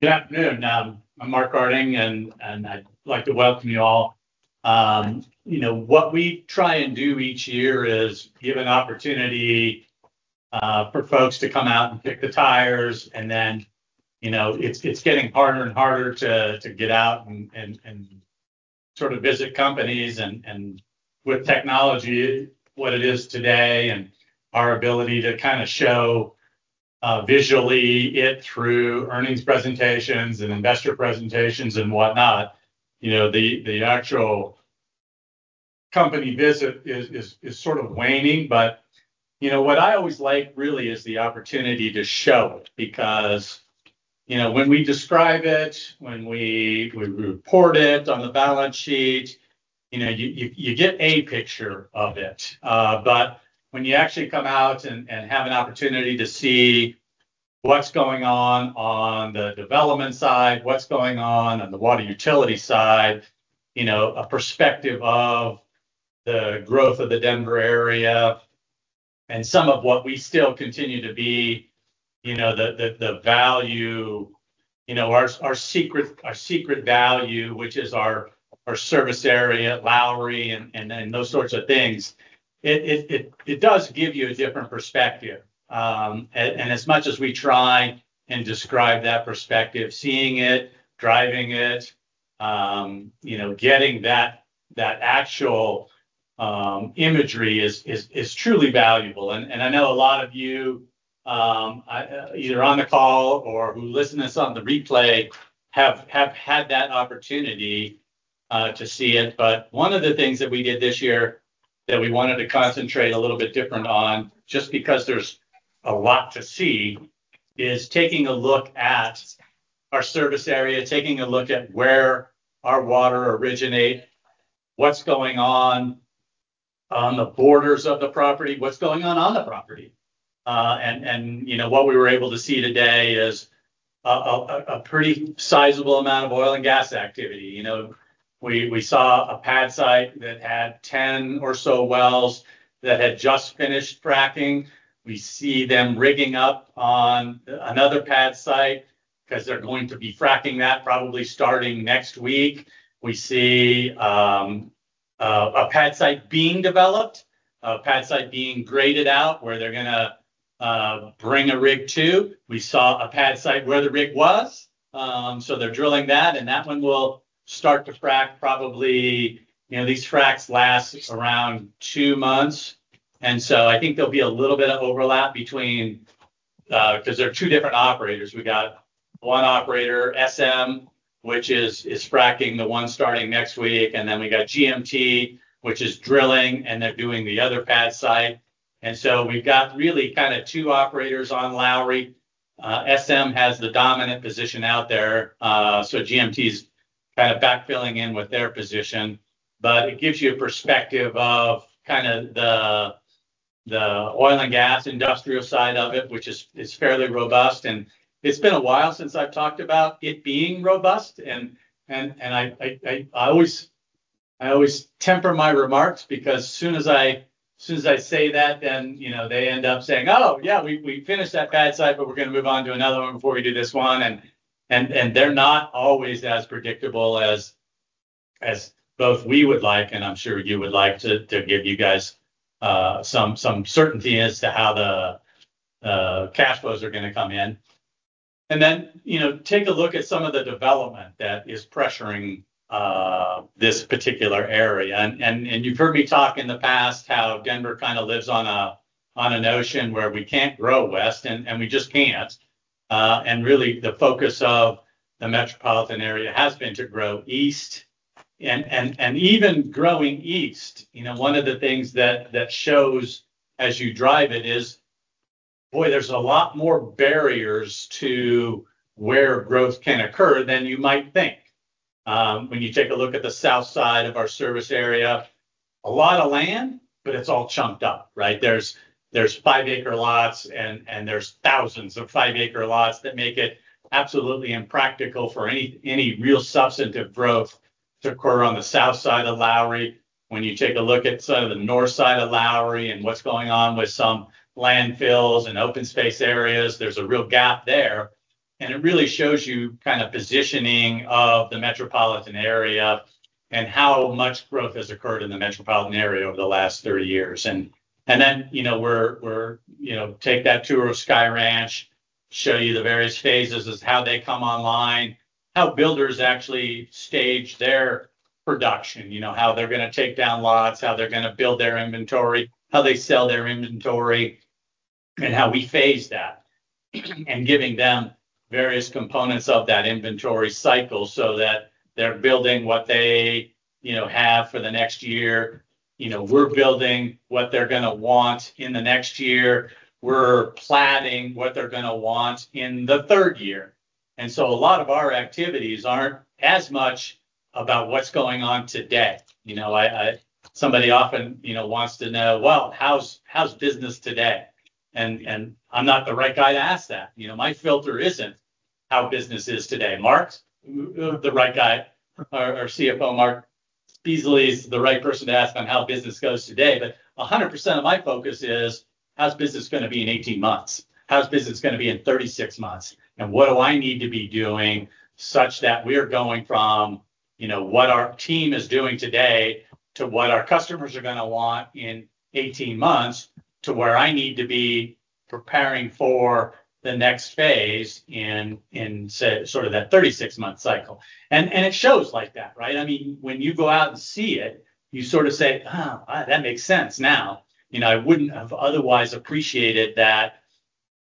Good afternoon. I'm Mark Harding. I'd like to welcome you all. What we try and do each year is give an opportunity for folks to come out and kick the tires, then it's getting harder and harder to get out and visit companies. With technology, what it is today, and our ability to show visually it through earnings presentations and investor presentations and whatnot, the actual company visit is waning. What I always like really is the opportunity to show it because when we describe it, when we report it on the balance sheet, you get a picture of it. When you actually come out and have an opportunity to see what's going on the development side, what's going on the water utility side, a perspective of the growth of the Denver area and some of what we still continue to be, our secret value, which is our service area at Lowry and those sorts of things, it does give you a different perspective. As much as we try and describe that perspective, seeing it, driving it, getting that actual imagery is truly valuable. I know a lot of you, either on the call or who listen to us on the replay, have had that opportunity to see it. One of the things that we did this year that we wanted to concentrate a little bit different on, just because there's a lot to see, is taking a look at our service area, taking a look at where our water originate, what's going on on the borders of the property, what's going on on the property. What we were able to see today is a pretty sizable amount of oil and gas activity. We saw a pad site that had 10 or so wells that had just finished fracking. We see them rigging up on another pad site because they're going to be fracking that probably starting next week. We see a pad site being developed, a pad site being graded out where they're going to bring a rig too. We saw a pad site where the rig was. They're drilling that, and that one will start to frack probably, these fracks last around two months. I think there'll be a little bit of overlap between, because they're two different operators. We got one operator, SM, which is fracking the one starting next week, then we got GMT, which is drilling, and they're doing the other pad site. We've got really two operators on Lowry. SM has the dominant position out there, so GMT's back-filling in with their position. It gives you a perspective of the oil and gas industrial side of it, which is fairly robust, and it's been a while since I've talked about it being robust. I always temper my remarks because as soon as I say that, then they end up saying, "Oh, yeah, we finished that pad site, but we're going to move on to another one before we do this one." They're not always as predictable as both we would like, and I'm sure you would like to give you guys some certainty as to how the cash flows are going to come in. Take a look at some of the development that is pressuring this particular area. You've heard me talk in the past how Denver lives on an ocean where we can't grow west, and we just can't. The focus of the metropolitan area has been to grow east. Even growing east, one of the things that shows as you drive it is, boy, there's a lot more barriers to where growth can occur than you might think. When you take a look at the south side of our service area, a lot of land, but it's all chunked up, right? There's five-acre lots and there's thousands of five-acre lots that make it absolutely impractical for any real substantive growth to occur on the south side of Lowry. When you take a look at some of the north side of Lowry and what's going on with some landfills and open space areas, there's a real gap there. It really shows you positioning of the metropolitan area and how much growth has occurred in the metropolitan area over the last 30 years. We take that tour of Sky Ranch, show you the various phases as how they come online, how builders actually stage their production. How they're going to take down lots, how they're going to build their inventory, how they sell their inventory, and how we phase that. Giving them various components of that inventory cycle so that they're building what they have for the next year. We're building what they're going to want in the next year. We're planning what they're going to want in the third year. A lot of our activities aren't as much about what's going on today. Somebody often wants to know, "Well, how's business today?" I'm not the right guy to ask that. My filter isn't how business is today. Marc's the right guy. Our CFO, Marc Spezialy is the right person to ask on how business goes today. 100% of my focus is how's business going to be in 18 months? How's business going to be in 36 months? What do I need to be doing such that we're going from what our team is doing today to what our customers are going to want in 18 months, to where I need to be preparing for the next phase in that 36-month cycle. It shows like that, right? When you go out and see it, you say, "Oh, that makes sense now." I wouldn't have otherwise appreciated that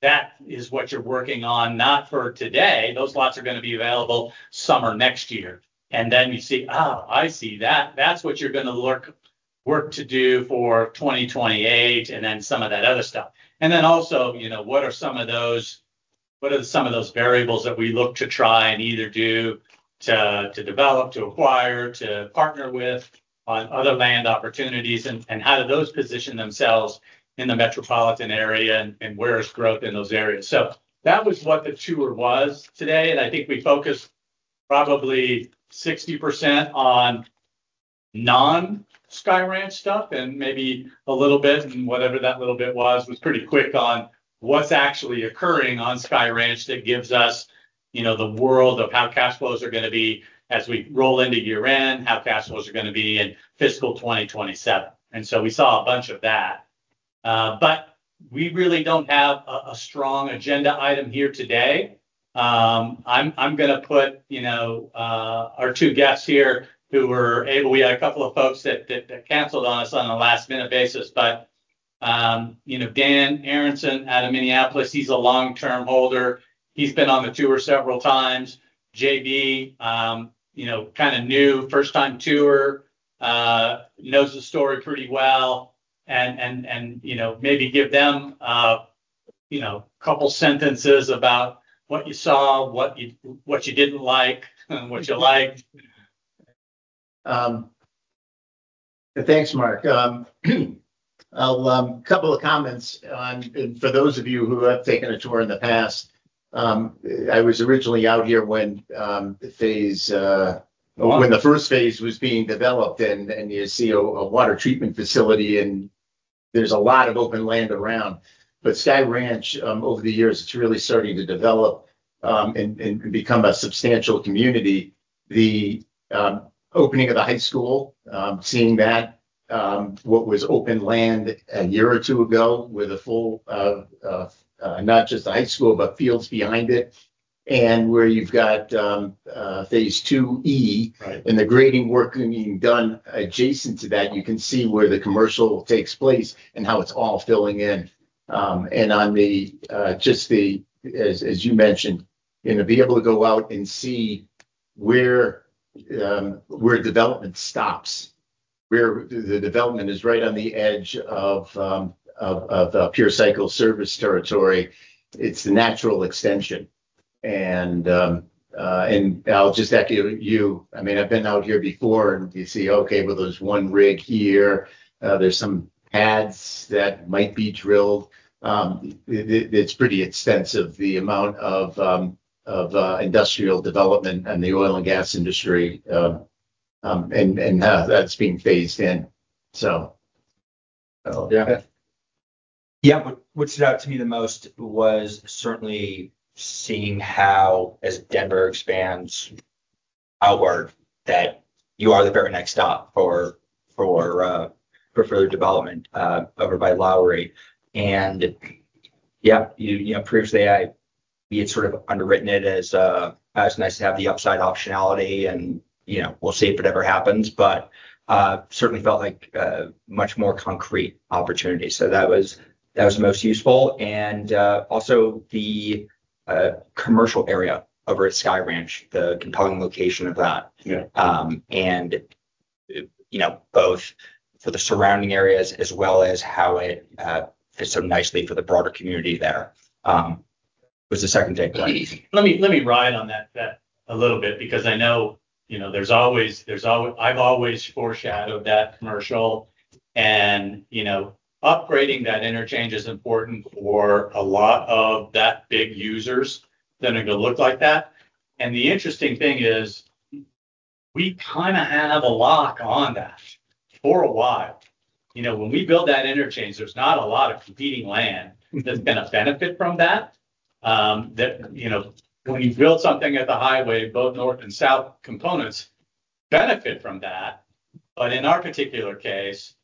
that is what you're working on, not for today. Those lots are going to be available summer next year. You see, "Oh, I see that. That's what you're going to work to do for 2028," and then some of that other stuff. What are some of those variables that we look to try and either do to develop, to acquire, to partner with on other land opportunities, and how do those position themselves in the metropolitan area, and where is growth in those areas? That was what the tour was today, I think we focused probably 60% on non-Sky Ranch stuff and maybe a little bit, whatever that little bit was pretty quick on what's actually occurring on Sky Ranch that gives us the world of how cash flows are going to be as we roll into year-end, how cash flows are going to be in fiscal 2027. We saw a bunch of that. We really don't have a strong agenda item here today. I'm going to put our two guests here who were able. We had a couple of folks that canceled on us on a last-minute basis. Dan Aronson out of Minneapolis, he's a long-term holder. He's been on the tour several times. JB, kind of new, first-time tourer. Knows the story pretty well. Maybe give them a couple sentences about what you saw, what you didn't like, and what you liked. Thanks, Mark. A couple of comments on. For those of you who have taken a tour in the past, I was originally out here when the first phase was being developed, you see a water treatment facility and there's a lot of open land around. Sky Ranch, over the years, it's really starting to develop and become a substantial community. The opening of the high school, seeing that, what was open land a year or two ago with a full, not just the high school, but fields behind it, where you've got phase 2E- Right. The grading work being done adjacent to that, you can see where the commercial takes place and how it's all filling in. As you mentioned, to be able to go out and see where development stops, where the development is right on the edge of the Pure Cycle service territory, it's the natural extension. I'll just echo you. I've been out here before, you see, okay, well, there's one rig here. There's some pads that might be drilled. It's pretty extensive, the amount of industrial development and the oil and gas industry, and how that's being phased in. Yeah. What stood out to me the most was certainly seeing how as Denver expands outward, that you are the very next stop for further development over by Lowry. Yeah, previously I'd sort of underwritten it as nice to have the upside optionality and we'll see if it ever happens, certainly felt like a much more concrete opportunity. That was the most useful. Also the commercial area over at Sky Ranch, the compelling location of that. Yeah. Both for the surrounding areas as well as how it fits so nicely for the broader community there, was the second takeaway. Let me ride on that a little bit because I know I've always foreshadowed that commercial and upgrading that interchange is important for a lot of that big users that are going to look like that. The interesting thing is we kind of have a lock on that for a while. When we build that interchange, there's not a lot of competing land that's going to benefit from that. When you build something at the highway, both north and south components benefit from that. In our particular case,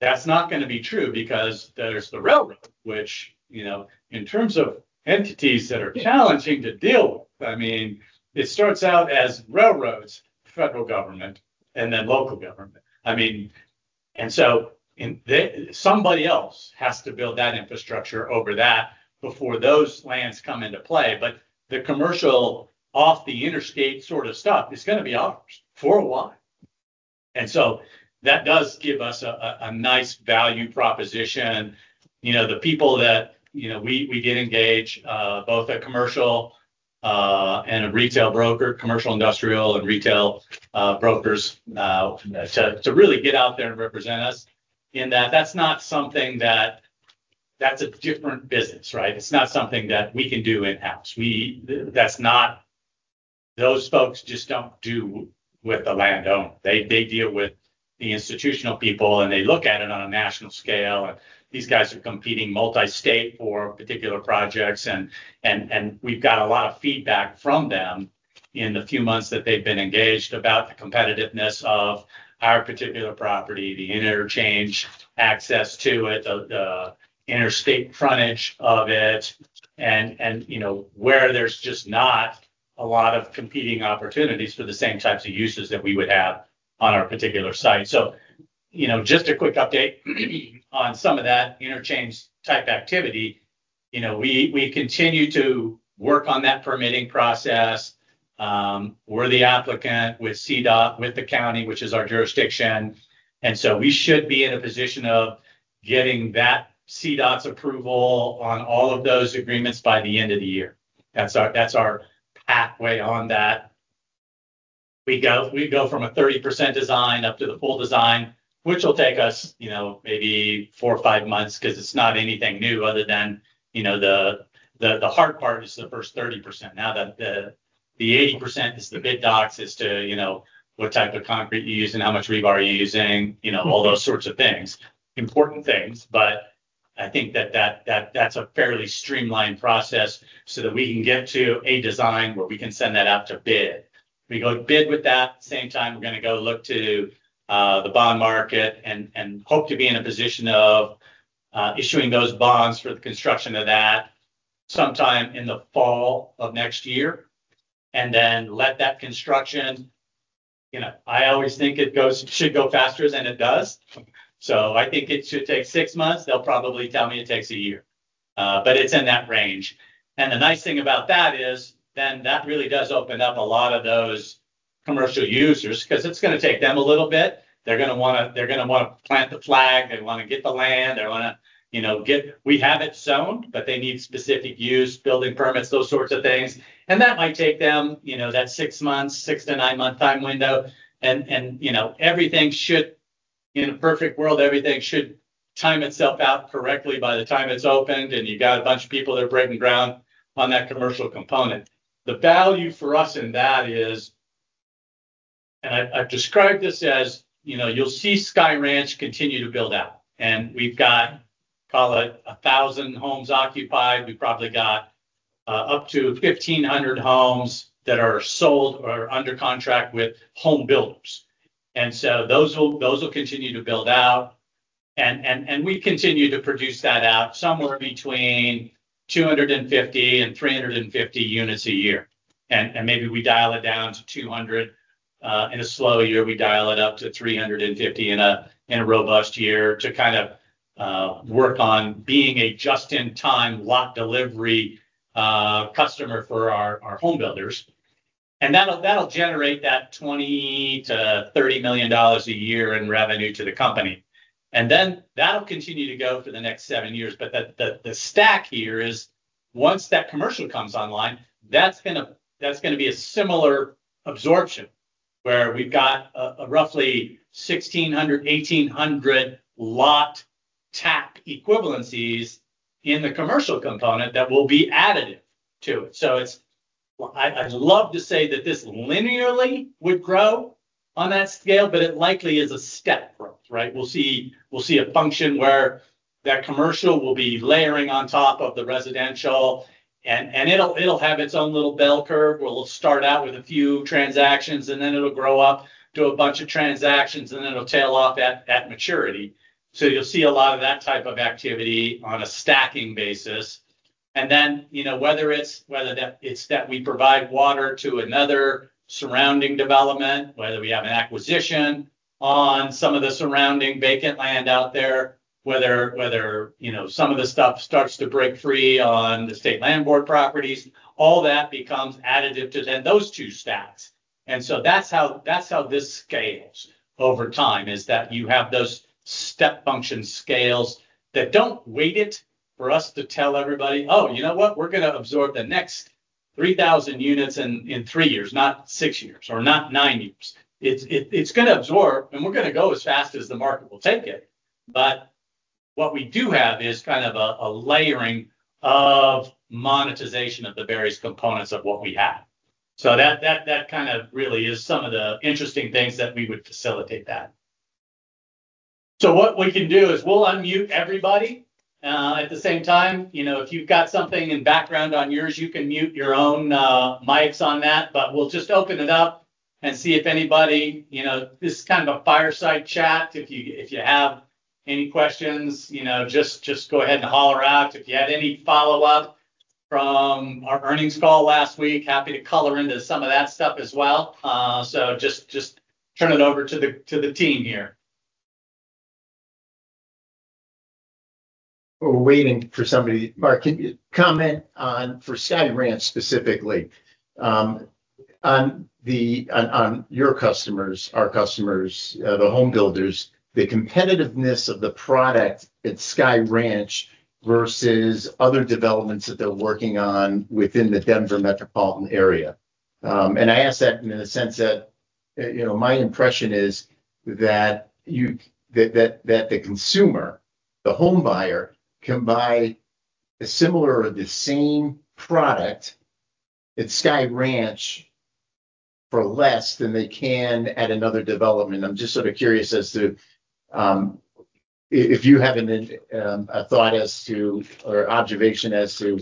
that's not going to be true because there's the railroad, which in terms of entities that are challenging to deal with, it starts out as railroads, federal government, and then local government. Somebody else has to build that infrastructure over that before those lands come into play, the commercial off the interstate sort of stuff is going to be ours for a while. That does give us a nice value proposition. The people that we did engage, both a commercial and a retail broker, commercial, industrial, and retail brokers, to really get out there and represent us in that's not something that It's a different business, right? It's not something that we can do in-house. Those folks just don't deal with the land own. They deal with the institutional people, and they look at it on a national scale, and these guys are competing multi-state for particular projects. We've got a lot of feedback from them in the few months that they've been engaged about the competitiveness of our particular property, the interchange access to it, the interstate frontage of it, and where there's just not a lot of competing opportunities for the same types of uses that we would have on our particular site. Just a quick update on some of that interchange type activity. We continue to work on that permitting process. We're the applicant with CDOT, with the county, which is our jurisdiction. We should be in a position of getting that CDOT's approval on all of those agreements by the end of the year. That's our pathway on that. We go from a 30% design up to the full design, which will take us maybe four or five months because it's not anything new other than the hard part is the first 30%. Now that the 80% is the bid docs as to what type of concrete you use and how much rebar you're using, all those sorts of things. Important things, but I think that's a fairly streamlined process so that we can get to a design where we can send that out to bid. We go to bid with that, same time we're going to go look to the bond market and hope to be in a position of issuing those bonds for the construction of that sometime in the fall of next year. Let that construction. I always think it should go faster than it does. I think it should take six months. They'll probably tell me it takes a year. It's in that range. The nice thing about that is then that really does open up a lot of those commercial users because it's going to take them a little bit. They're going to want to plant the flag, they want to get the land. We have it zoned, but they need specific use, building permits, those sorts of things. That might take them that six months, six to nine-month time window. In a perfect world, everything should time itself out correctly by the time it's opened and you got a bunch of people that are breaking ground on that commercial component. The value for us in that is, and I've described this as you'll see Sky Ranch continue to build out, and we've got, call it 1,000 homes occupied. We probably got up to 1,500 homes that are sold or under contract with home builders. Those will continue to build out, and we continue to produce that out somewhere between 250 and 350 units a year. Maybe we dial it down to 200 in a slow year. We dial it up to 350 in a robust year to kind of work on being a just-in-time lot delivery customer for our home builders. That'll generate that $20 million-$30 million a year in revenue to the company. That'll continue to go for the next seven years. The stack here is once that commercial comes online, that's going to be a similar absorption where we've got a roughly 1,600, 1,800 lot tap equivalencies in the commercial component that will be additive to it. I'd love to say that this linearly would grow on that scale, but it likely is a step growth, right? We'll see a function where that commercial will be layering on top of the residential, and it'll have its own little bell curve, where it'll start out with a few transactions, and then it'll grow up to a bunch of transactions, and then it'll tail off at maturity. You'll see a lot of that type of activity on a stacking basis. Whether it's that we provide water to another surrounding development, whether we have an acquisition on some of the surrounding vacant land out there, whether some of the stuff starts to break free on the State Land Board properties, all that becomes additive to then those two stacks. That's how this scales over time, is that you have those step function scales that don't wait it for us to tell everybody, "Oh, you know what? We're going to absorb the next 3,000 units in three years, not six years or not nine years." It's going to absorb, and we're going to go as fast as the market will take it. What we do have is kind of a layering of monetization of the various components of what we have. That kind of really is some of the interesting things that we would facilitate that. What we can do is we'll unmute everybody. At the same time, if you've got something in background on yours, you can mute your own mics on that, but we'll just open it up and see if anybody. This is kind of a fireside chat. If you have any questions, just go ahead and holler out. If you had any follow-up from our earnings call last week, happy to color into some of that stuff as well. Just turn it over to the team here. We're waiting for somebody. Mark, can you comment on, for Sky Ranch specifically, on your customers, our customers, the home builders, the competitiveness of the product at Sky Ranch versus other developments that they're working on within the Denver metropolitan area? I ask that in the sense that my impression is that the consumer, the home buyer, can buy a similar or the same product at Sky Ranch for less than they can at another development. I'm just curious as to if you have a thought as to, or observation as to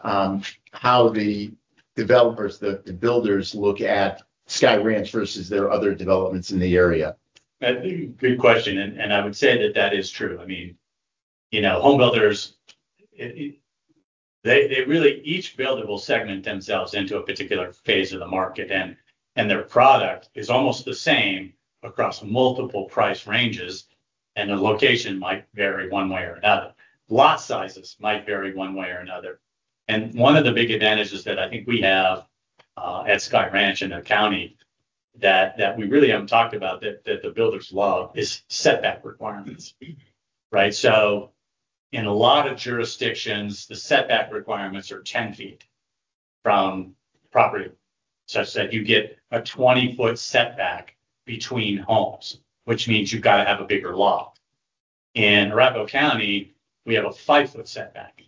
how the developers, the builders look at Sky Ranch versus their other developments in the area. Good question. I would say that that is true. Home builders, each builder will segment themselves into a particular phase of the market. Their product is almost the same across multiple price ranges. The location might vary one way or another. Lot sizes might vary one way or another. One of the big advantages that I think we have at Sky Ranch in the county that we really haven't talked about, that the builders love, is setback requirements. In a lot of jurisdictions, the setback requirements are 10 ft from property, such that you get a 20-foot setback between homes, which means you've got to have a bigger lot. In Arapahoe County, we have a 5-foot setback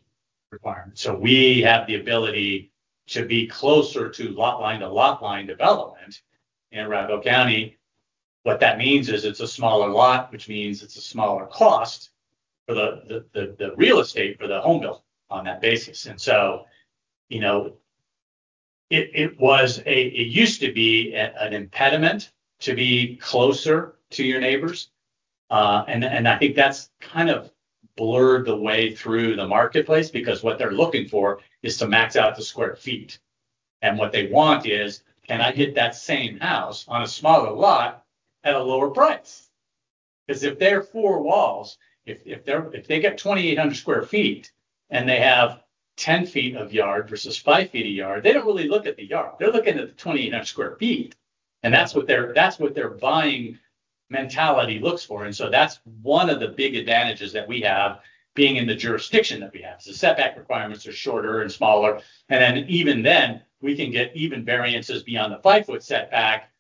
requirement. We have the ability to be closer to lot line development in Arapahoe County. What that means is it's a smaller lot, which means it's a smaller cost for the real estate for the home builder on that basis. It used to be an impediment to be closer to your neighbors. I think that's kind of blurred the way through the marketplace, because what they're looking for is to max out the square feet. What they want is: Can I get that same house on a smaller lot at a lower price? Because if they're four walls, if they get 2,800 sq ft and they have 10 ft of yard versus 5 ft of yard, they don't really look at the yard, they're looking at the 2,800 sq ft, and that's what their buying mentality looks for. That's one of the big advantages that we have being in the jurisdiction that we have. The setback requirements are shorter and smaller. Even then, we can get even variances beyond the 5-foot setback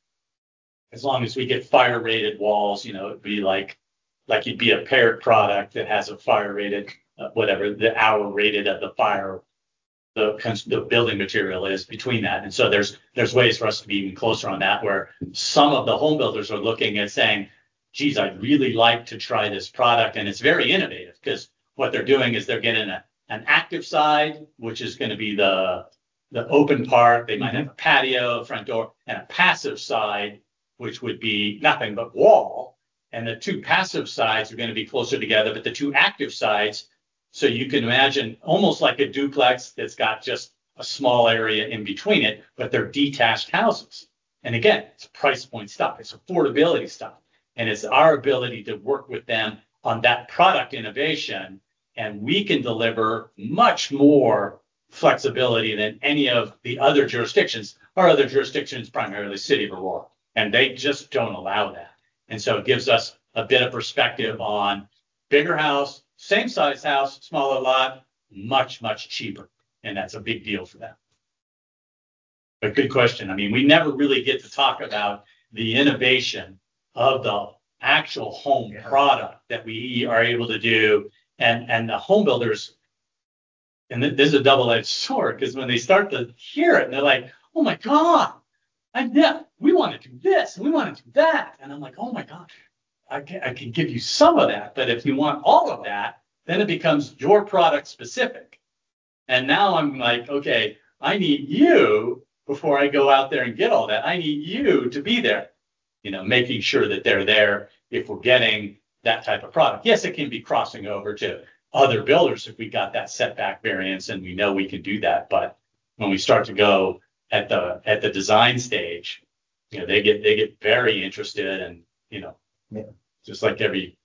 as long as we get fire-rated walls. It'd be like you'd be a paired product that has a fire-rated, whatever, the hour rated that the fire, the building material is between that. There's ways for us to be even closer on that, where some of the home builders are looking at saying, "Geez, I'd really like to try this product." It's very innovative, because what they're doing is they're getting an active side, which is going to be the open part. They might have a patio, a front door, and a passive side, which would be nothing but wall. The two passive sides are going to be closer together, but the two active sides, so you can imagine almost like a duplex that's got just a small area in between it, but they're detached houses. Again, it's a price point stop, it's affordability stop. It's our ability to work with them on that product innovation. We can deliver much more flexibility than any of the other jurisdictions or other jurisdictions, primarily City of Aurora. They just don't allow that. It gives us a bit of perspective on bigger house, same size house, smaller lot, much, much cheaper. That's a big deal for them. A good question. We never really get to talk about the innovation of the actual home product that we are able to do. The home builders, this is a double-edged sword, because when they start to hear it, they're like, "Oh my God, we want to do this, and we want to do that." I'm like, "Oh my God, I can give you some of that. If you want all of that, then it becomes your product specific." Now I'm like, "Okay, I need you before I go out there and get all that. I need you to be there," making sure that they're there if we're getting that type of product. Yes, it can be crossing over to other builders if we got that setback variance, and we know we can do that. When we start to go at the design stage, they get very interested. Yeah. Just like every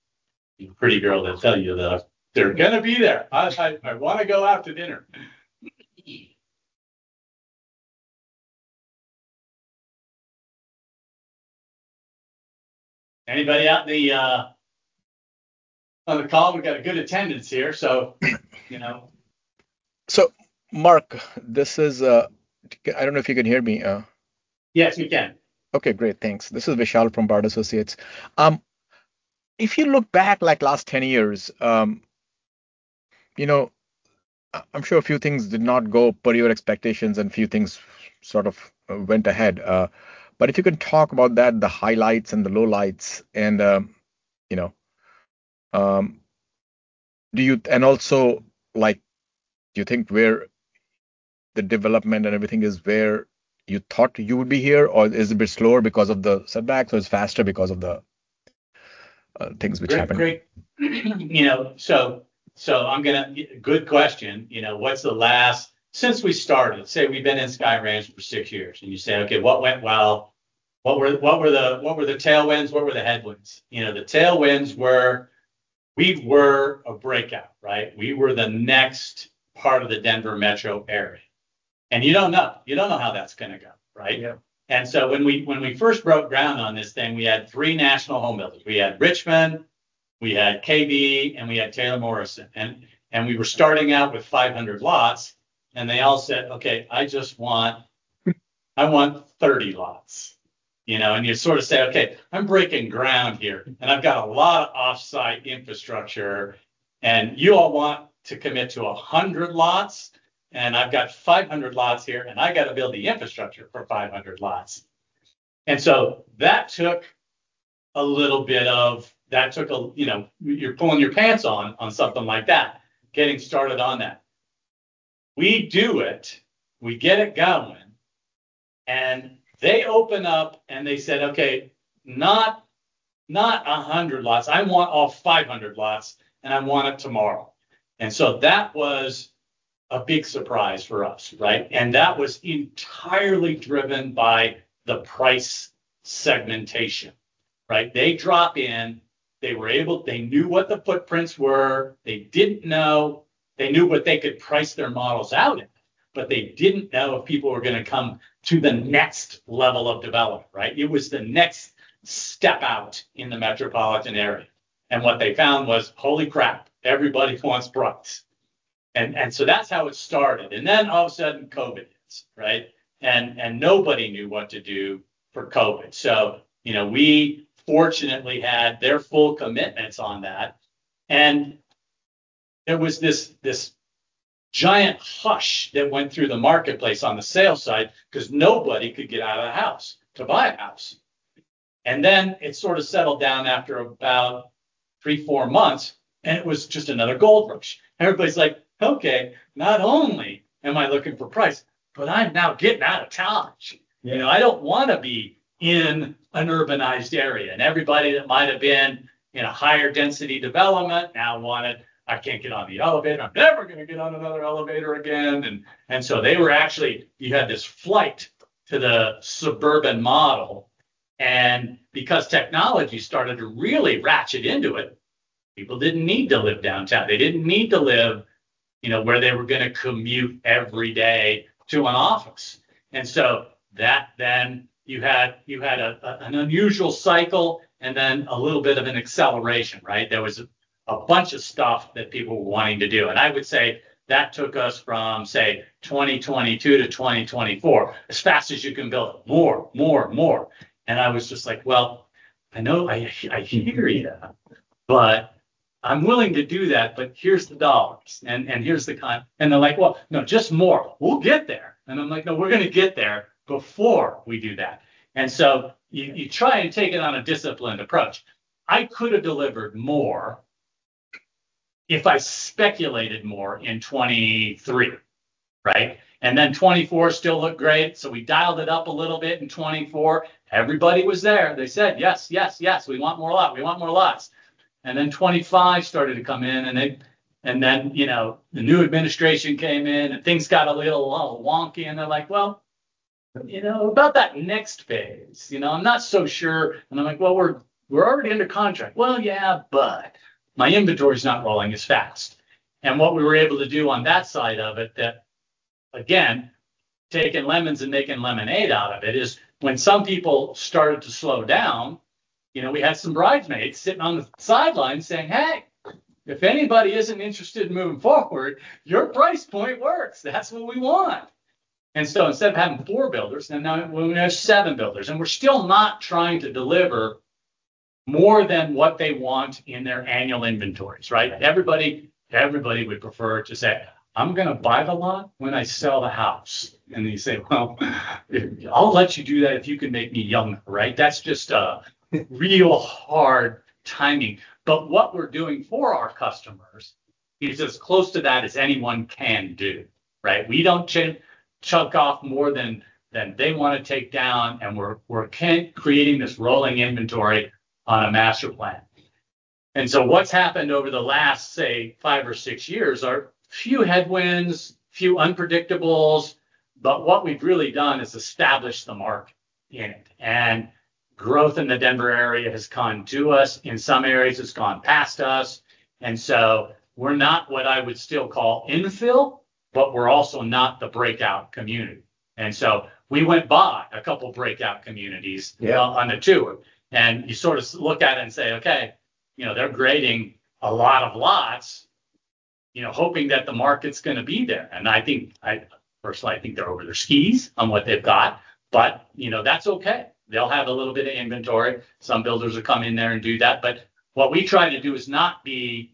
pretty girl that tell you that they're going to be there. I want to go out to dinner. Anybody out on the call? We've got a good attendance here, you know. Mark, this is, I don't know if you can hear me. Yes, we can. Okay, great. Thanks. This is Vishal from Bard Associates. If you look back like last 10 years, I'm sure a few things did not go per your expectations and few things sort of went ahead. If you can talk about that, the highlights and the lowlights. Do you think where the development and everything is where you thought you would be here, or is it a bit slower because of the setbacks, or it's faster because of the things which happened? Great. Good question. What's the last Since we started, say we've been in Sky Ranch for six years, and you say, "Okay, what went well? What were the tailwinds? What were the headwinds?" The tailwinds were, we were a breakout, right? We were the next part of the Denver Metro area. You don't know. You don't know how that's going to go, right? Yeah. When we first broke ground- then we had three national home builders. We had Richmond, we had KB, and we had Taylor Morrison. We were starting out with 500 lots, and they all said, "Okay, I want 30 lots." You sort of say, "Okay, I'm breaking ground here, and I've got a lot of offsite infrastructure, and you all want to commit to 100 lots, and I've got 500 lots here, and I got to build the infrastructure for 500 lots." That took a little bit of, you're pulling your pants on something like that, getting started on that. We do it, we get it going, and they open up, and they said, "Okay, not 100 lots. I want all 500 lots and I want it tomorrow." That was a big surprise for us, right? That was entirely driven by the price segmentation. Right? They drop in, they knew what the footprints were. They knew what they could price their models out at, they didn't know if people were going to come to the next level of development, right? It was the next step out in the metropolitan area. What they found was, holy crap, everybody wants price. That's how it started. All of a sudden, COVID hits, right? Nobody knew what to do for COVID. We fortunately had their full commitments on that. There was this giant hush that went through the marketplace on the sale side because nobody could get out of the house to buy a house. It sort of settled down after about three, four months, and it was just another Gold Rush. Everybody's like, "Okay, not only am I looking for price, but I'm now getting out of town. I don't want to be in an urbanized area." Everybody that might have been in a higher density development now wanted, "I can't get on the elevator. I'm never going to get on another elevator again." They were actually, you had this flight to the suburban model. Because technology started to really ratchet into it, people didn't need to live downtown. They didn't need to live where they were going to commute every day to an office. That then you had an unusual cycle and then a little bit of an acceleration, right? There was a bunch of stuff that people were wanting to do. I would say that took us from, say, 2022-2024, as fast as you can build, more, more, more. I was just like, "Well, I hear you, but I'm willing to do that, but here's the dollars, and here's the time." They're like, "Well, no, just more. We'll get there." I'm like, "No, we're going to get there before we do that." You try and take it on a disciplined approach. I could have delivered more if I speculated more in 2023, right? Then 2024 still looked great, so we dialed it up a little bit in 2024. Everybody was there. They said, "Yes. Yes. Yes. We want more lot. We want more lots." Then 2025 started to come in, and then the new administration came in, and things got a little wonky, and they're like, "Well, about that next phase. I'm not so sure." I'm like, "Well, we're already under contract." "Well, yeah, but my inventory's not rolling as fast." What we were able to do on that side of it that, again, taking lemons and making lemonade out of it is when some people started to slow down, we had some bridesmaids sitting on the sidelines saying, "Hey, if anybody isn't interested in moving forward, your price point works. That's what we want." Instead of having four builders, now we have seven builders. We're still not trying to deliver more than what they want in their annual inventories, right? Everybody would prefer to say, "I'm going to buy the lot when I sell the house." Then you say, "Well, I'll let you do that if you can make me young." Right? That's just a real hard timing. What we're doing for our customers is as close to that as anyone can do. Right? We don't chunk off more than they want to take down, and we're creating this rolling inventory on a master plan. What's happened over the last, say, five or six years are a few headwinds, a few unpredictables, but what we've really done is establish the market in it. Growth in the Denver area has come to us. In some areas, it's gone past us. We're not what I would still call infill, but we're also not the breakout community. We went by a couple breakout communities on the tour. You sort of look at it and say, "Okay, they're grading a lot of lots, hoping that the market's going to be there." Personally, I think they're over their skis on what they've got. That's okay. They'll have a little bit of inventory. Some builders will come in there and do that. What we try to do is not be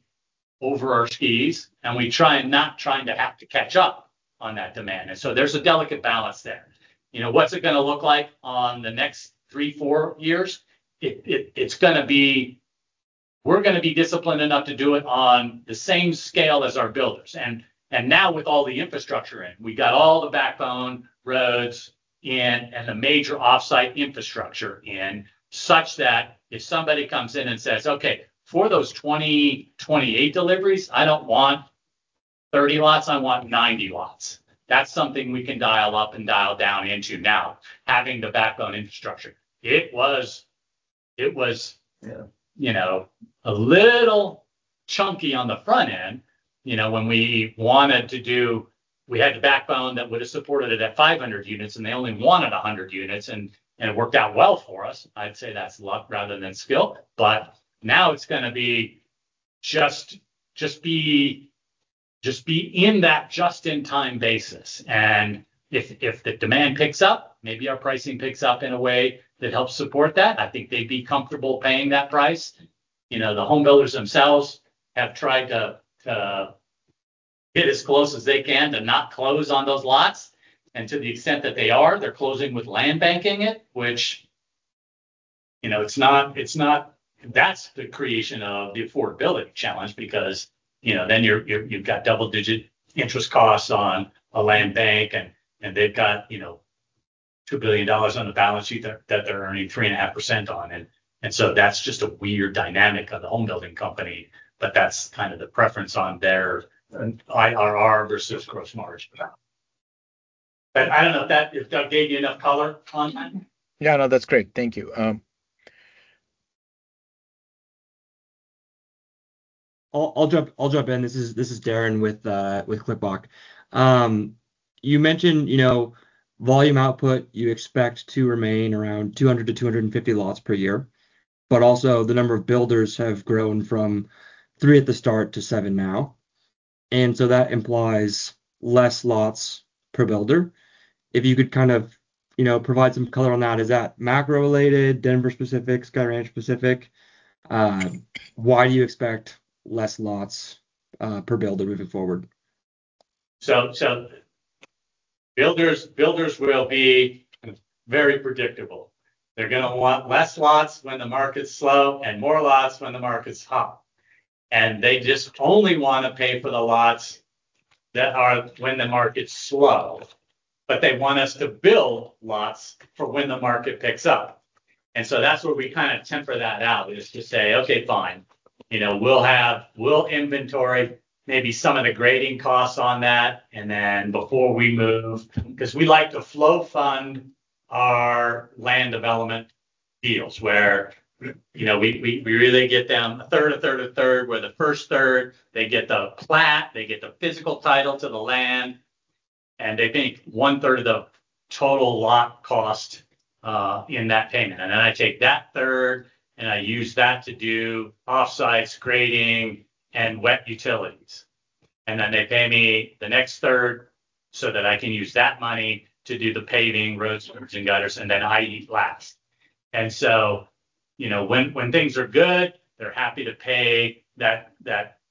over our skis, and we try and not trying to have to catch up on that demand. There's a delicate balance there. What's it going to look like on the next three, four years? We're going to be disciplined enough to do it on the same scale as our builders. Now with all the infrastructure in, we got all the backbone roads in and the major offsite infrastructure in such that if somebody comes in and says, "Okay, for those 2028 deliveries, I don't want 30 lots. I want 90 lots." That's something we can dial up and dial down into now having the backbone infrastructure. Yeah. A little chunky on the front end. When we had the backbone that would've supported it at 500 units and they only wanted 100 units, and it worked out well for us, I'd say that's luck rather than skill. Now it's going to be just be in that just in time basis. If the demand picks up, maybe our pricing picks up in a way that helps support that. I think they'd be comfortable paying that price. The home builders themselves have tried to get as close as they can to not close on those lots, and to the extent that they are, they're closing with land banking it, which that's the creation of the affordability challenge because then you've got double-digit interest costs on a land bank and they've got $2 billion on the balance sheet that they're earning 3.5% on. That's just a weird dynamic of the home building company. That's the preference on their IRR versus gross margin. I don't know if that gave you enough color on that. Yeah. No, that's great. Thank you. I'll jump in. This is Darren with Klipbok. You mentioned volume output you expect to remain around 200-250 lots per year, also the number of builders have grown from three at the start to seven now. That implies less lots per builder. If you could provide some color on that. Is that macro related, Denver specific, Sky Ranch specific? Why do you expect less lots per builder moving forward? Builders will be very predictable. They're going to want less lots when the market's slow and more lots when the market's hot. They just only want to pay for the lots when the market's slow. They want us to build lots for when the market picks up. That's where we temper that out, is to say, "Okay, fine. We'll inventory maybe some of the grading costs on that." Before we move, because we like to flow fund our land development deals, where we really get down a third, a third, a third, where the first third, they get the plat, they get the physical title to the land, and they pay me one third of the total lot cost in that payment. I take that third and I use that to do offsites grading and wet utilities. They pay me the next third so that I can use that money to do the paving, roads, curbs, and gutters, then I eat last. When things are good, they're happy to pay that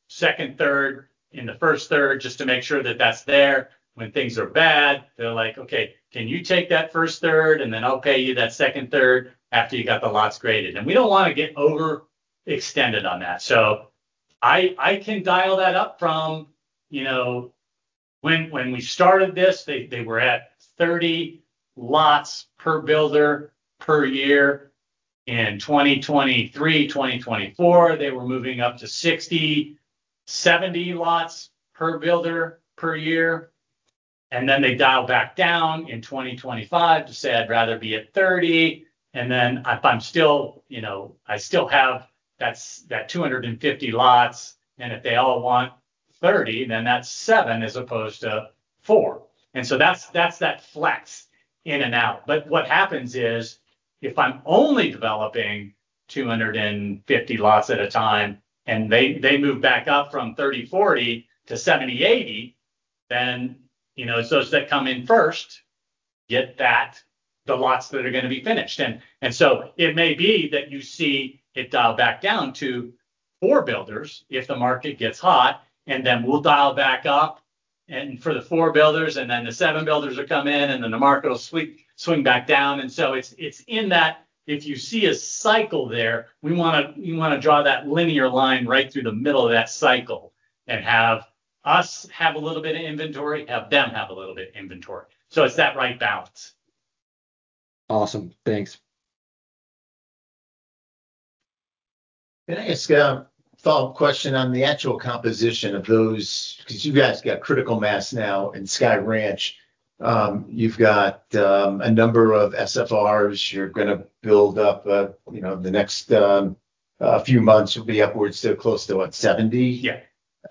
second third and the first third, just to make sure that that's there. When things are bad, they're like, "Okay, can you take that first third, then I'll pay you that second third after you got the lots graded." We don't want to get over extended on that. I can dial that up from when we started this, they were at 30 lots per builder per year. In 2023, 2024, they were moving up to 60, 70 lots per builder per year. They dialed back down in 2025 to say, "I'd rather be at 30." I still have that 250 lots, if they all want 30, that's seven as opposed to four. That's that flex in and out. What happens is, if I'm only developing 250 lots at a time and they move back up from 30, 40 to 70, 80, those that come in first get the lots that are going to be finished. It may be that you see it dial back down to four builders, if the market gets hot, then we'll dial back up. For the four builders, the seven builders will come in, the market will swing back down. It's in that, if you see a cycle there, you want to draw that linear line right through the middle of that cycle and have us have a little bit of inventory, have them have a little bit of inventory. It's that right balance. Awesome. Thanks. Can I ask a follow-up question on the actual composition of those? Because you guys have got critical mass now in Sky Ranch. You've got a number of SFRs you're going to build up. The next few months will be upwards to close to what? 70? Yeah.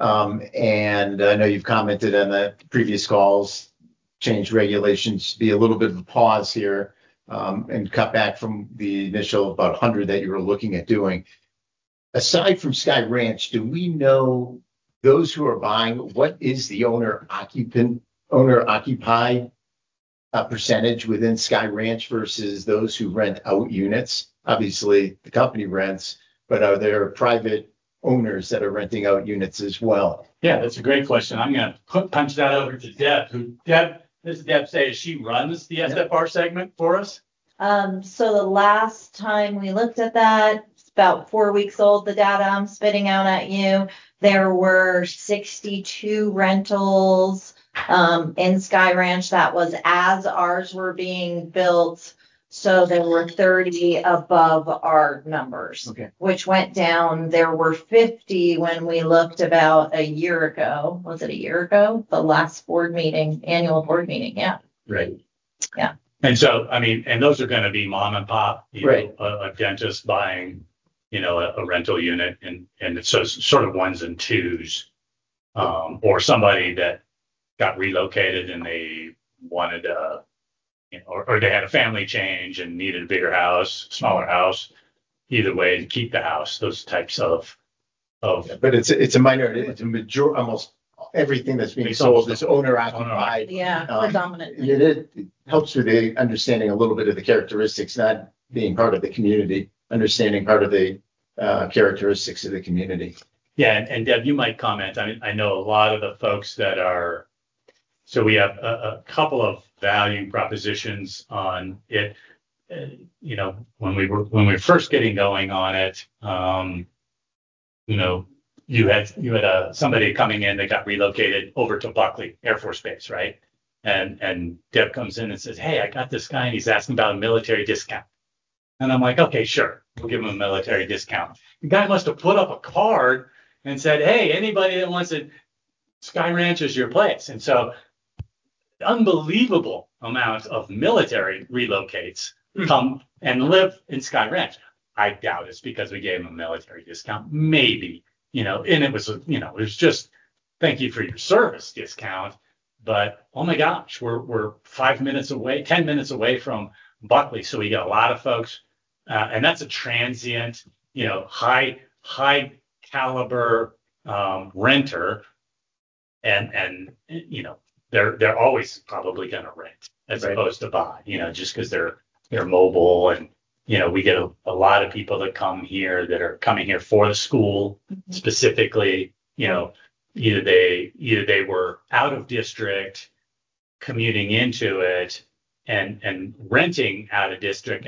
I know you've commented on the previous calls, change regulations, be a little bit of a pause here, and cut back from the initial about 100 that you were looking at doing. Aside from Sky Ranch, do we know those who are buying, what is the owner occupy percentage within Sky Ranch versus those who rent out units? Obviously, the company rents, but are there private owners that are renting out units as well? Yeah, that's a great question. I'm going to punch that over to Deb. Does Deb say she runs the SFR segment for us? The last time we looked at that, it's about four weeks old, the data I'm spitting out at you. There were 62 rentals in Sky Ranch that was as ours were being built. There were 30 above our numbers. Okay. Which went down. There were 50 when we looked about a year ago. Was it a year ago? The last board meeting. Annual board meeting. Yeah. Right. Yeah. Those are going to be mom and pop- Right. A dentist buying a rental unit, and it's sort of ones and twos. Somebody that got relocated, or they had a family change and needed a bigger house, smaller house. Either way, they keep the house, those types of- It's a minority. Almost everything that's being sold is owner occupied. Yeah. Predominantly. It helps with the understanding a little bit of the characteristics, not being part of the community, understanding part of the characteristics of the community. Yeah. Deb, you might comment. I know a lot of the folks that are We have a couple of value propositions on it. When we were first getting going on it, you had somebody coming in that got relocated over to Buckley Space Force Base, right? Deb comes in and says, "Hey, I got this guy, and he's asking about a military discount." I'm like, "Okay, sure. We'll give him a military discount." The guy must have put up a card and said, "Hey, anybody that wants it, Sky Ranch is your place." Unbelievable amount of military relocates come and live in Sky Ranch. I doubt it's because we gave him a military discount. Maybe. It was just thank you for your service discount. Oh my gosh, we're 10 minutes away from Buckley, we get a lot of folks. That's a transient, high caliber renter. They're always probably going to rent as opposed to buy, just because they're mobile, we get a lot of people that come here that are coming here for the school specifically. Either they were out of district commuting into it and renting out of district,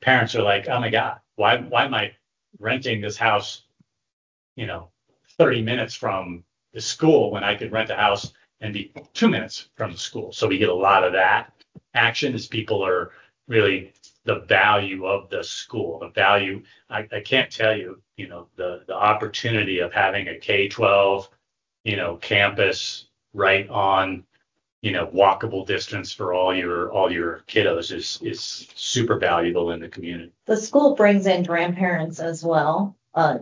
parents are like, "Oh my God, why am I renting this house 30 minutes from the school when I could rent a house and be two minutes from the school?" We get a lot of that action as people are really the value of the school. The value, I can't tell you, the opportunity of having a K-12 campus right on walkable distance for all your kiddos is super valuable in the community. The school brings in grandparents as well, a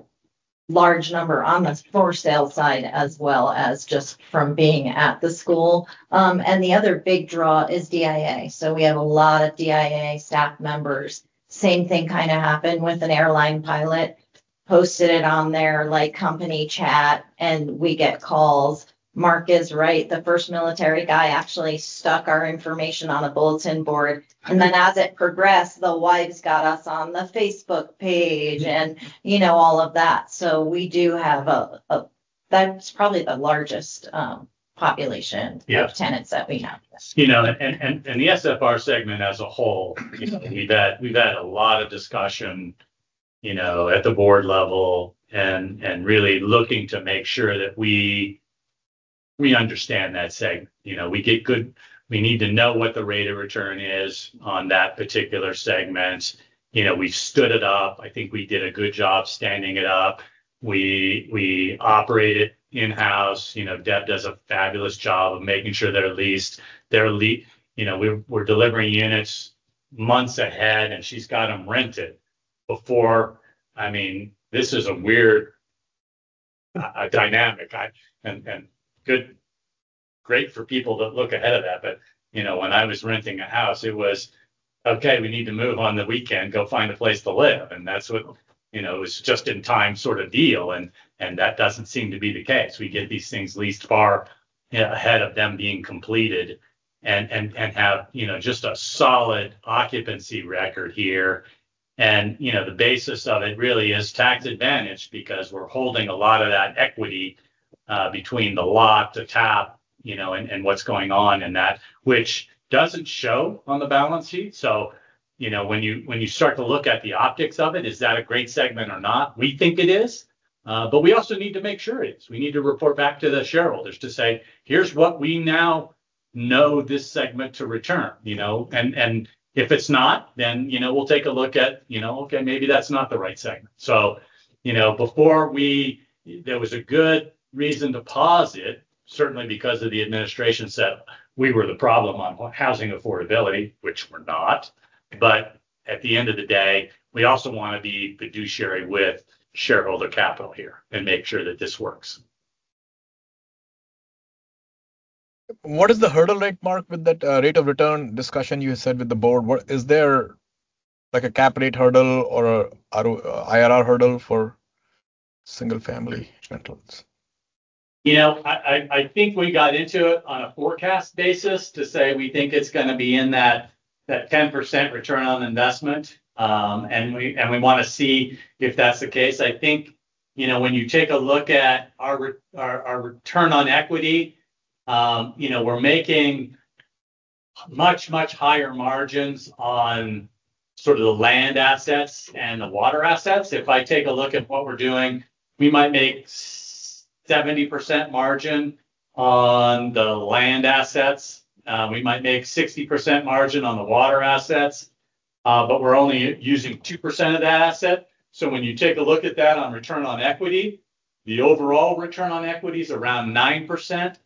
large number on the for sale side as well as just from being at the school. The other big draw is DIA. We have a lot of DIA staff members. Same thing happened with an airline pilot, posted it on their company chat, we get calls. Mark is right. The first military guy actually stuck our information on a bulletin board, as it progressed, the wives got us on the Facebook page and all of that. We do have a That's probably the largest population- Yeah. Of tenants that we have. The SFR segment as a whole, we've had a lot of discussion at the board level and really looking to make sure that we understand that segment. We need to know what the rate of return is on that particular segment. We stood it up. I think we did a good job standing it up. We operate it in-house. Deb does a fabulous job of making sure they're leased. We're delivering units months ahead, and she's got them rented before. This is a weird dynamic. Great for people that look ahead of that, but when I was renting a house, it was, "Okay, we need to move on the weekend. Go find a place to live." That's what, it was just in time sort of deal, and that doesn't seem to be the case. We get these things leased far ahead of them being completed and have just a solid occupancy record here. The basis of it really is tax advantage because we're holding a lot of that equity between the lot, the tap, and what's going on in that, which doesn't show on the balance sheet. When you start to look at the optics of it, is that a great segment or not? We think it is. We also need to make sure it is. We need to report back to the shareholders to say, "Here's what we now know this segment to return." If it's not, then we'll take a look at, okay, maybe that's not the right segment. Before there was a good reason to pause it, certainly because of the administration said we were the problem on housing affordability, which we're not. At the end of the day, we also want to be fiduciary with shareholder capital here and make sure that this works. What is the hurdle rate, Mark, with that rate of return discussion you said with the board? Is there a cap rate hurdle or IRR hurdle for single-family rentals? I think we got into it on a forecast basis to say we think it's going to be in that 10% return on investment, and we want to see if that's the case. I think, when you take a look at our return on equity, we're making much, much higher margins on sort of the land assets and the water assets. If I take a look at what we're doing, we might make 70% margin on the land assets. We might make 60% margin on the water assets. We're only using 2% of that asset. When you take a look at that on return on equity, the overall return on equity is around 9%.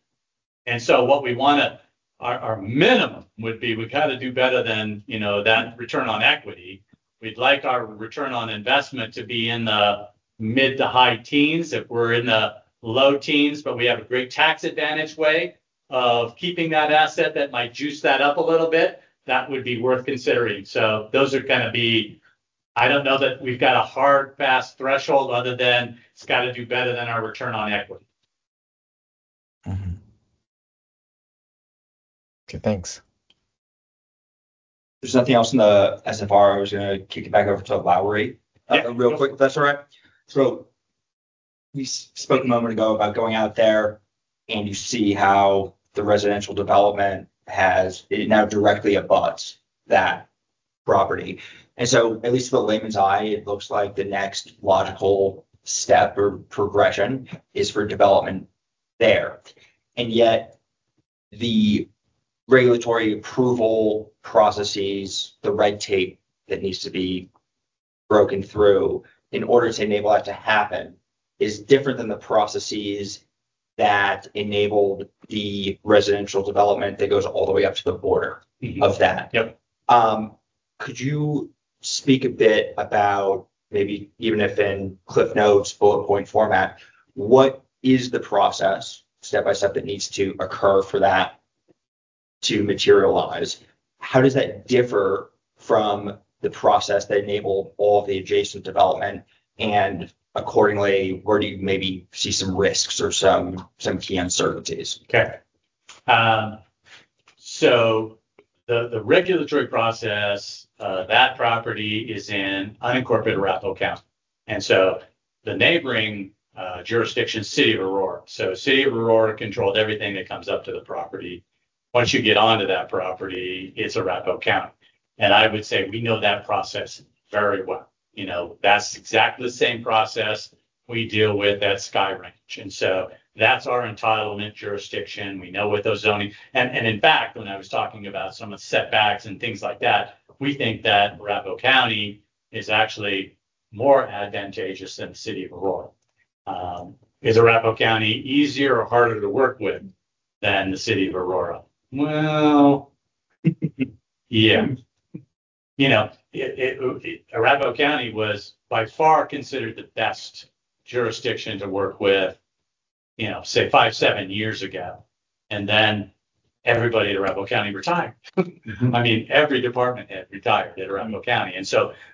Our minimum would be we've got to do better than that return on equity. We'd like our return on investment to be in the mid to high teens. If we're in the low teens, but we have a great tax advantage way of keeping that asset that might juice that up a little bit, that would be worth considering. I don't know that we've got a hard, fast threshold other than it's got to do better than our return on equity. Okay, thanks. If there's nothing else in the SFR, I was going to kick it back over to Lowry real quick, if that's all right. We spoke a moment ago about going out there, and you see how the residential development has now directly abuts that property. At least to the layman's eye, it looks like the next logical step or progression is for development there. Yet the regulatory approval processes, the red tape that needs to be broken through in order to enable that to happen is different than the processes that enabled the residential development that goes all the way up to the border of that. Yep. Could you speak a bit about maybe even if in Cliff Notes bullet point format, what is the process step by step that needs to occur for that to materialize? How does that differ from the process that enabled all the adjacent development? Accordingly, where do you maybe see some risks or some key uncertainties? Okay. The regulatory process, that property is in unincorporated Arapahoe County, the neighboring jurisdiction, City of Aurora. City of Aurora controlled everything that comes up to the property. Once you get onto that property, it's Arapahoe County. I would say we know that process very well. That's exactly the same process we deal with at Sky Ranch. That's our entitlement jurisdiction. We know with those zoning. In fact, when I was talking about some of the setbacks and things like that, we think that Arapahoe County is actually more advantageous than the City of Aurora. Is Arapahoe County easier or harder to work with than the City of Aurora? Well, yeah. Arapahoe County was by far considered the best jurisdiction to work with, say five, seven years ago. Then everybody at Arapahoe County retired. Every department had retired at Arapahoe County,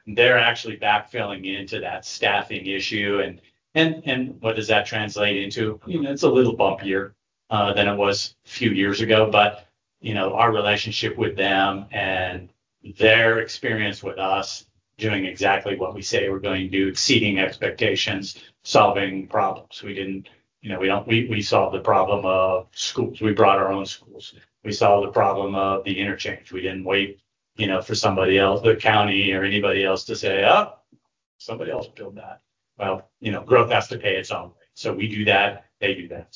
they're actually backfilling into that staffing issue. What does that translate into? It's a little bumpier than it was a few years ago, but our relationship with them and their experience with us doing exactly what we say we're going to do, exceeding expectations, solving problems. We solved the problem of schools. We brought our own schools. We solved the problem of the interchange. We didn't wait for somebody else, the county or anybody else to say, "Oh, somebody else will build that." Well, growth has to pay its own way. We do that, they do that.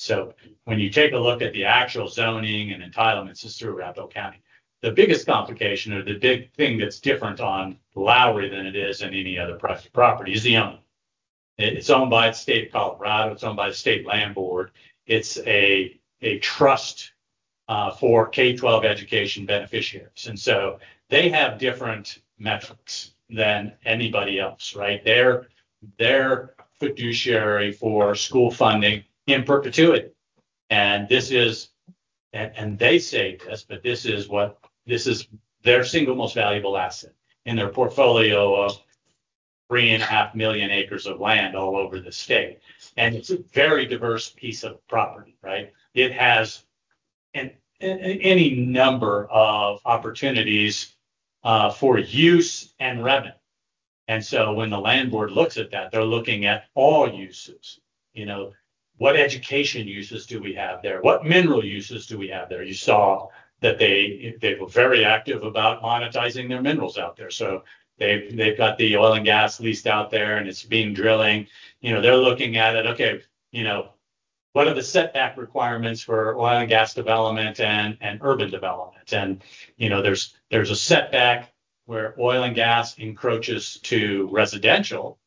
When you take a look at the actual zoning and entitlements just through Arapahoe County, the biggest complication or the big thing that's different on Lowry than it is in any other private property is the owner. It's owned by the State of Colorado. It's owned by the State Land Board. It's a trust for K-12 education beneficiaries. They have different metrics than anybody else, right? They're fiduciary for school funding in perpetuity. They say this, but this is their single most valuable asset in their portfolio of 3.5 million acres of land all over the state. It's a very diverse piece of property, right? It has any number of opportunities for use and revenue. When the Land Board looks at that, they're looking at all uses. What education uses do we have there? What mineral uses do we have there? You saw that they were very active about monetizing their minerals out there. They've got the oil and gas leased out there, and it's being drilling. They're looking at it, okay, what are the setback requirements for oil and gas development and urban development? There's a setback where oil and gas encroaches to residential,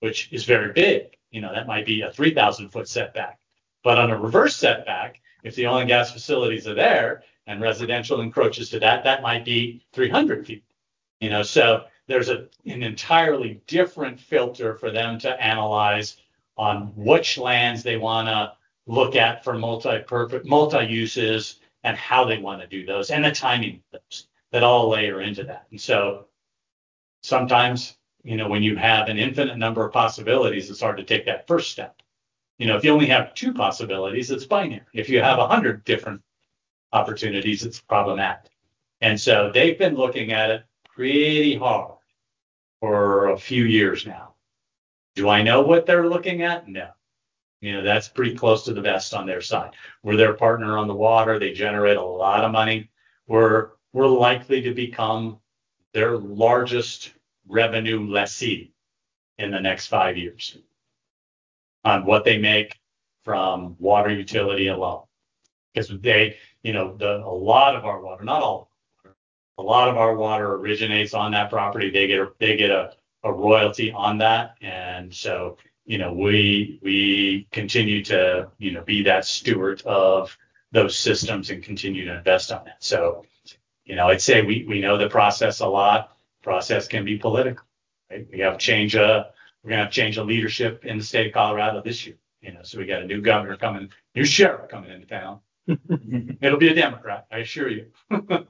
which is very big. That might be a 3,000-foot setback. On a reverse setback, if the oil and gas facilities are there and residential encroaches to that might be 300 ft. There's an entirely different filter for them to analyze on which lands they want to look at for multi-uses and how they want to do those, and the timing of those. That all layer into that. Sometimes when you have an infinite number of possibilities, it's hard to take that first step. If you only have two possibilities, it's binary. If you have 100 different opportunities, it's problematic. They've been looking at it pretty hard for a few years now. Do I know what they're looking at? No. That's pretty close to the vest on their side. We're their partner on the water. They generate a lot of money. We're likely to become their largest revenue lessee in the next five years. On what they make from water utility alone. Because a lot of our water, not all of our water, a lot of our water originates on that property. They get a royalty on that. We continue to be that steward of those systems and continue to invest on it. I'd say we know the process a lot. Process can be political, right? We're going to have change of leadership in the State of Colorado this year. We got a new governor coming, new sheriff coming into town. It'll be a Democrat, I assure you. Those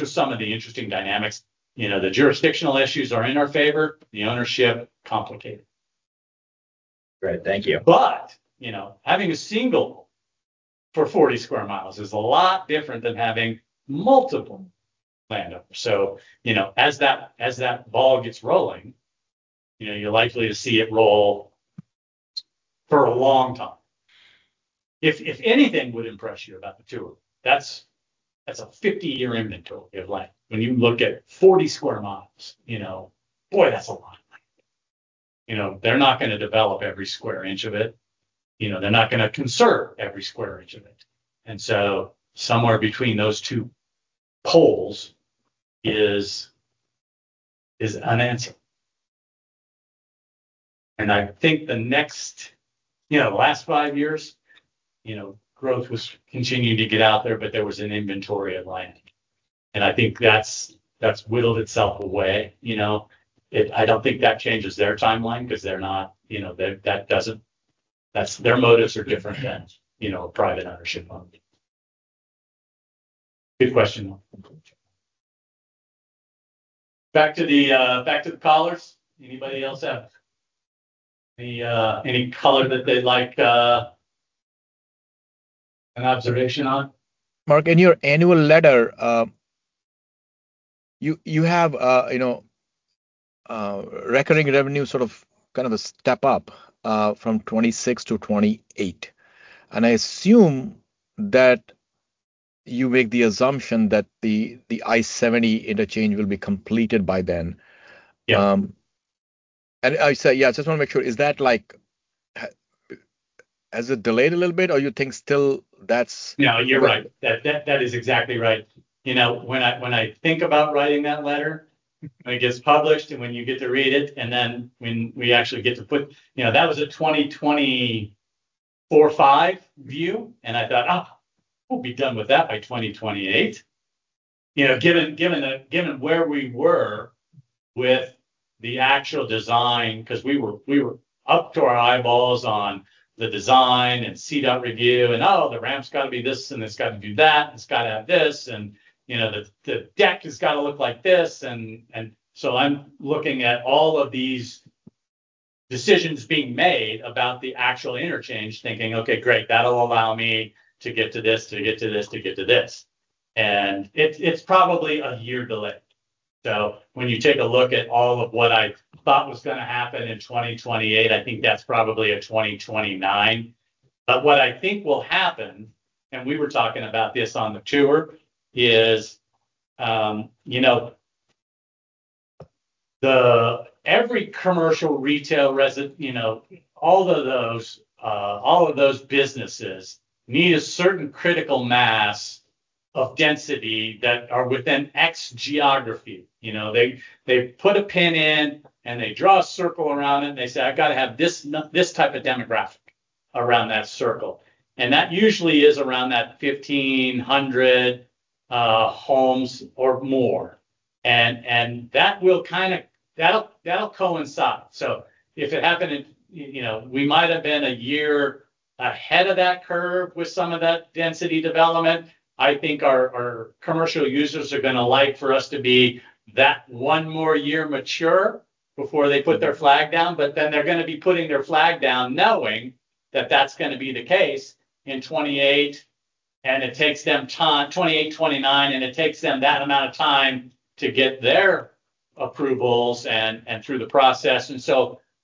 are some of the interesting dynamics. The jurisdictional issues are in our favor. The ownership, complicated. Great. Thank you. Having a single for 40 sq mi is a lot different than having multiple landowners. As that ball gets rolling, you're likely to see it roll for a long time. If anything would impress you about the tour, that's a 50-year inventory of land. When you look at 40 sq mi, boy, that's a lot of land. They're not going to develop every square inch of it. They're not going to conserve every square inch of it. Somewhere between those two poles is unanswered. I think the last five years, growth was continuing to get out there, but there was an inventory of land, and I think that's whittled itself away. I don't think that changes their timeline because their motives are different than a private ownership model. Good question. Back to the callers. Anybody else have any color that they'd like an observation on? Mark, in your annual letter, you have recurring revenue sort of a step up from 2026-2028. I assume that you make the assumption that the I-70 interchange will be completed by then. Yeah. I just want to make sure, has it delayed a little bit, or you think still? No, you're right. That is exactly right. When I think about writing that letter, when it gets published, and when you get to read it. That was a 2024, 2025 view, and I thought, "Oh, we'll be done with that by 2028." Given where we were with the actual design, because we were up to our eyeballs on the design and CDOT review and, "Oh, the ramp's got to be this, and it's got to do that, and it's got to have this," and "The deck has got to look like this." I'm looking at all of these decisions being made about the actual interchange, thinking, "Okay, great. That'll allow me to get to this, to get to this, to get to this." It's probably a year delayed. When you take a look at all of what I thought was going to happen in 2028, I think that's probably a 2029. What I think will happen, and we were talking about this on the tour, is every commercial retail, residential, all of those businesses need a certain critical mass of density that are within X geography. They put a pin in, and they draw a circle around it, and they say, "I've got to have this type of demographic around that circle." That usually is around that 1,500 homes or more. That'll coincide. We might have been a year ahead of that curve with some of that density development. I think our commercial users are going to like for us to be that one more year mature before they put their flag down. They're going to be putting their flag down knowing that that's going to be the case in 2028, 2029, and it takes them that amount of time to get their approvals and through the process.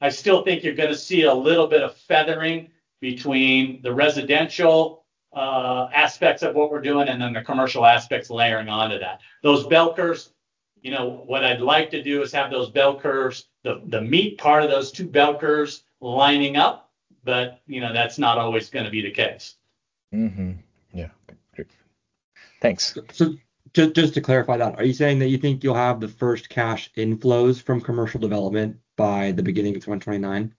I still think you're going to see a little bit of feathering between the residential aspects of what we're doing, and then the commercial aspects layering onto that. Those bell curves, what I'd like to do is have those bell curves, the meat part of those two bell curves lining up. That's not always going to be the case. Yeah. Great. Thanks. Just to clarify that, are you saying that you think you'll have the first cash inflows from commercial development by the beginning of 2029?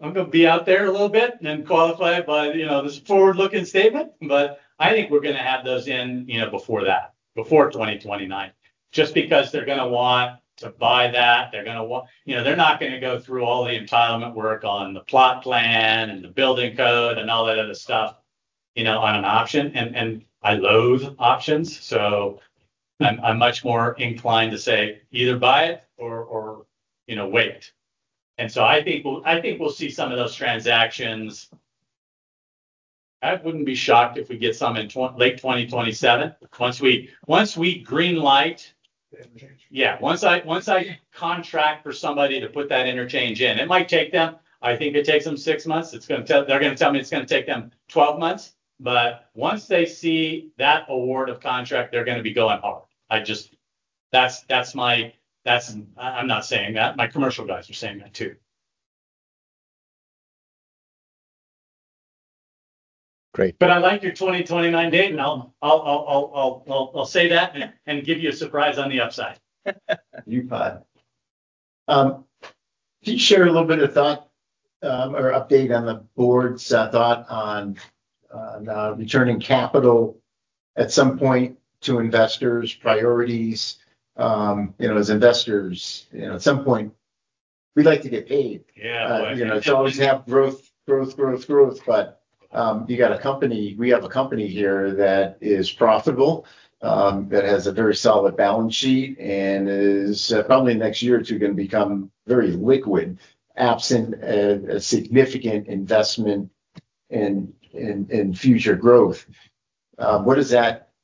I'm going to be out there a little bit and qualify it by this is a forward-looking statement, but I think we're going to have those in before that, before 2029, just because they're going to want to buy that. They're not going to go through all the entitlement work on the plot plan and the building code and all that other stuff, on an option. I loathe options, so I'm much more inclined to say either buy it or wait. I think we'll see some of those transactions. I wouldn't be shocked if we get some in late 2027 once we green light- The interchange. Yeah. Once I contract for somebody to put that interchange in. It might take them, I think it takes them six months. They're going to tell me it's going to take them 12 months, but once they see that award of contract, they're going to be going hard. I'm not saying that. My commercial guys are saying that, too. Great. I like your 2029 date, and I'll say that and give you a surprise on the upside. Can you share a little bit of thought or update on the board's thought on returning capital at some point to investors, priorities. As investors, at some point we'd like to get paid. Yeah. To always have growth, but we have a company here that is profitable, that has a very solid balance sheet, and is probably next year too, going to become very liquid, absent a significant investment in future growth.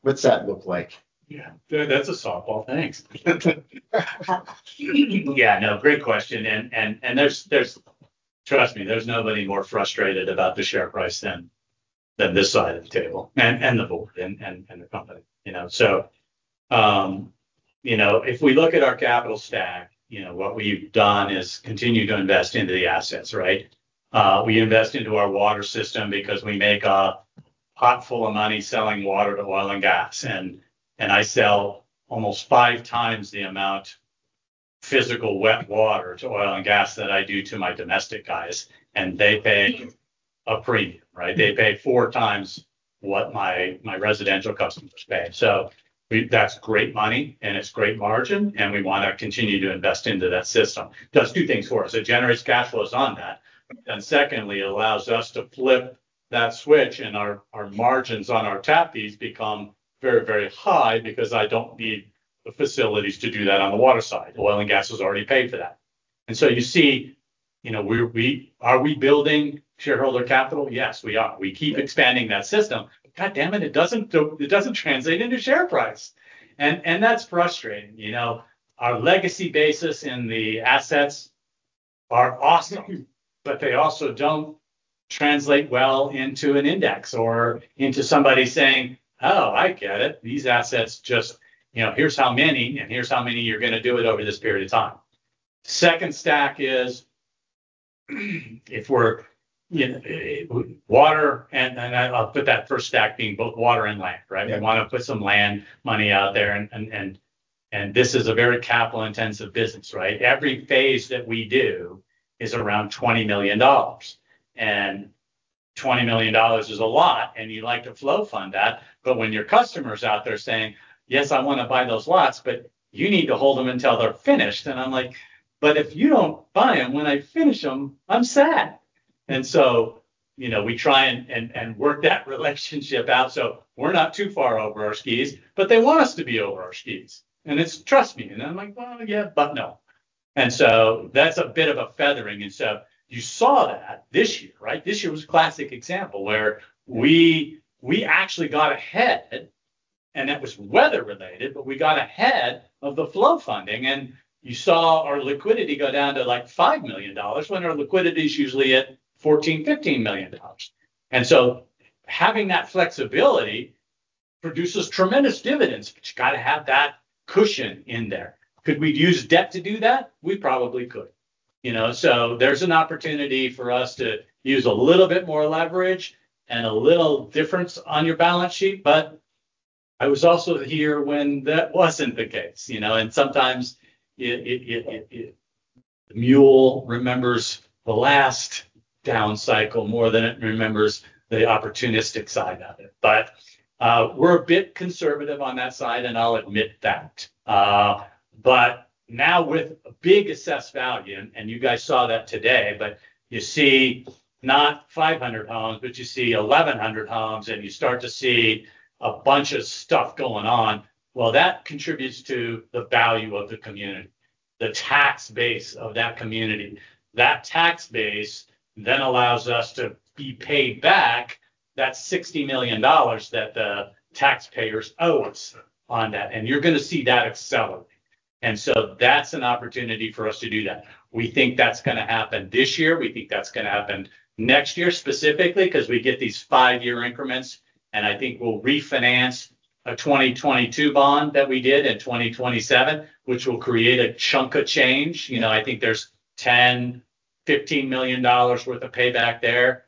What's that look like? Yeah. That's a softball. Thanks. Yeah, no, great question. Trust me, there's nobody more frustrated about the share price than this side of the table and the board and the company. If we look at our capital stack, what we've done is continue to invest into the assets, right? We invest into our water system because we make a pot full of money selling water to oil and gas, and I sell almost five times the amount physical wet water to oil and gas than I do to my domestic guys. They pay- Premium. A premium, right? They pay four times what my residential customers pay. That's great money and it's great margin, and we want to continue to invest into that system. It does two things for us. It generates cash flows on that, and secondly, it allows us to flip that switch and our margins on our tap fees become very high because I don't need the facilities to do that on the water side. Oil and gas has already paid for that. You see, are we building shareholder capital? Yes, we are. We keep expanding that system. Goddammit, it doesn't translate into share price, and that's frustrating. Our legacy basis in the assets are awesome, they also don't translate well into an index or into somebody saying, "Oh, I get it, these assets just Here's how many, and here's how many you're going to do it over this period of time." Second stack is, if we're water, and I'll put that first stack being both water and land, right? Yeah. We want to put some land money out there, this is a very capital-intensive business, right? Every phase that we do is around $20 million. $20 million is a lot, you like to flow fund that, when your customer's out there saying, "Yes, I want to buy those lots, but you need to hold them until they're finished." I'm like, "But if you don't buy them when I finish them, I'm sad." We try and work that relationship out, so we're not too far over our skis, they want us to be over our skis. It's, "Trust me." I'm like, "Well, yeah, but no." That's a bit of a feathering. You saw that this year, right? This year was a classic example where we actually got ahead, that was weather related, we got ahead of the flow funding. You saw our liquidity go down to $5 million when our liquidity's usually at $14 million-$15 million. Having that flexibility produces tremendous dividends, you got to have that cushion in there. Could we use debt to do that? We probably could. There's an opportunity for us to use a little bit more leverage and a little difference on your balance sheet, I was also here when that wasn't the case. Sometimes the mule remembers the last down cycle more than it remembers the opportunistic side of it. We're a bit conservative on that side, and I'll admit that. Now with a big assessed value, and you guys saw that today, you see not 500 homes, you see 1,100 homes and you start to see a bunch of stuff going on. That contributes to the value of the community, the tax base of that community. That tax base then allows us to be paid back that $60 million that the taxpayers owes on that, and you're going to see that accelerate. That's an opportunity for us to do that. We think that's going to happen this year. We think that's going to happen next year, specifically because we get these five-year increments, and I think we'll refinance a 2022 bond that we did in 2027, which will create a chunk of change. I think there's $10 million, $15 million worth of payback there.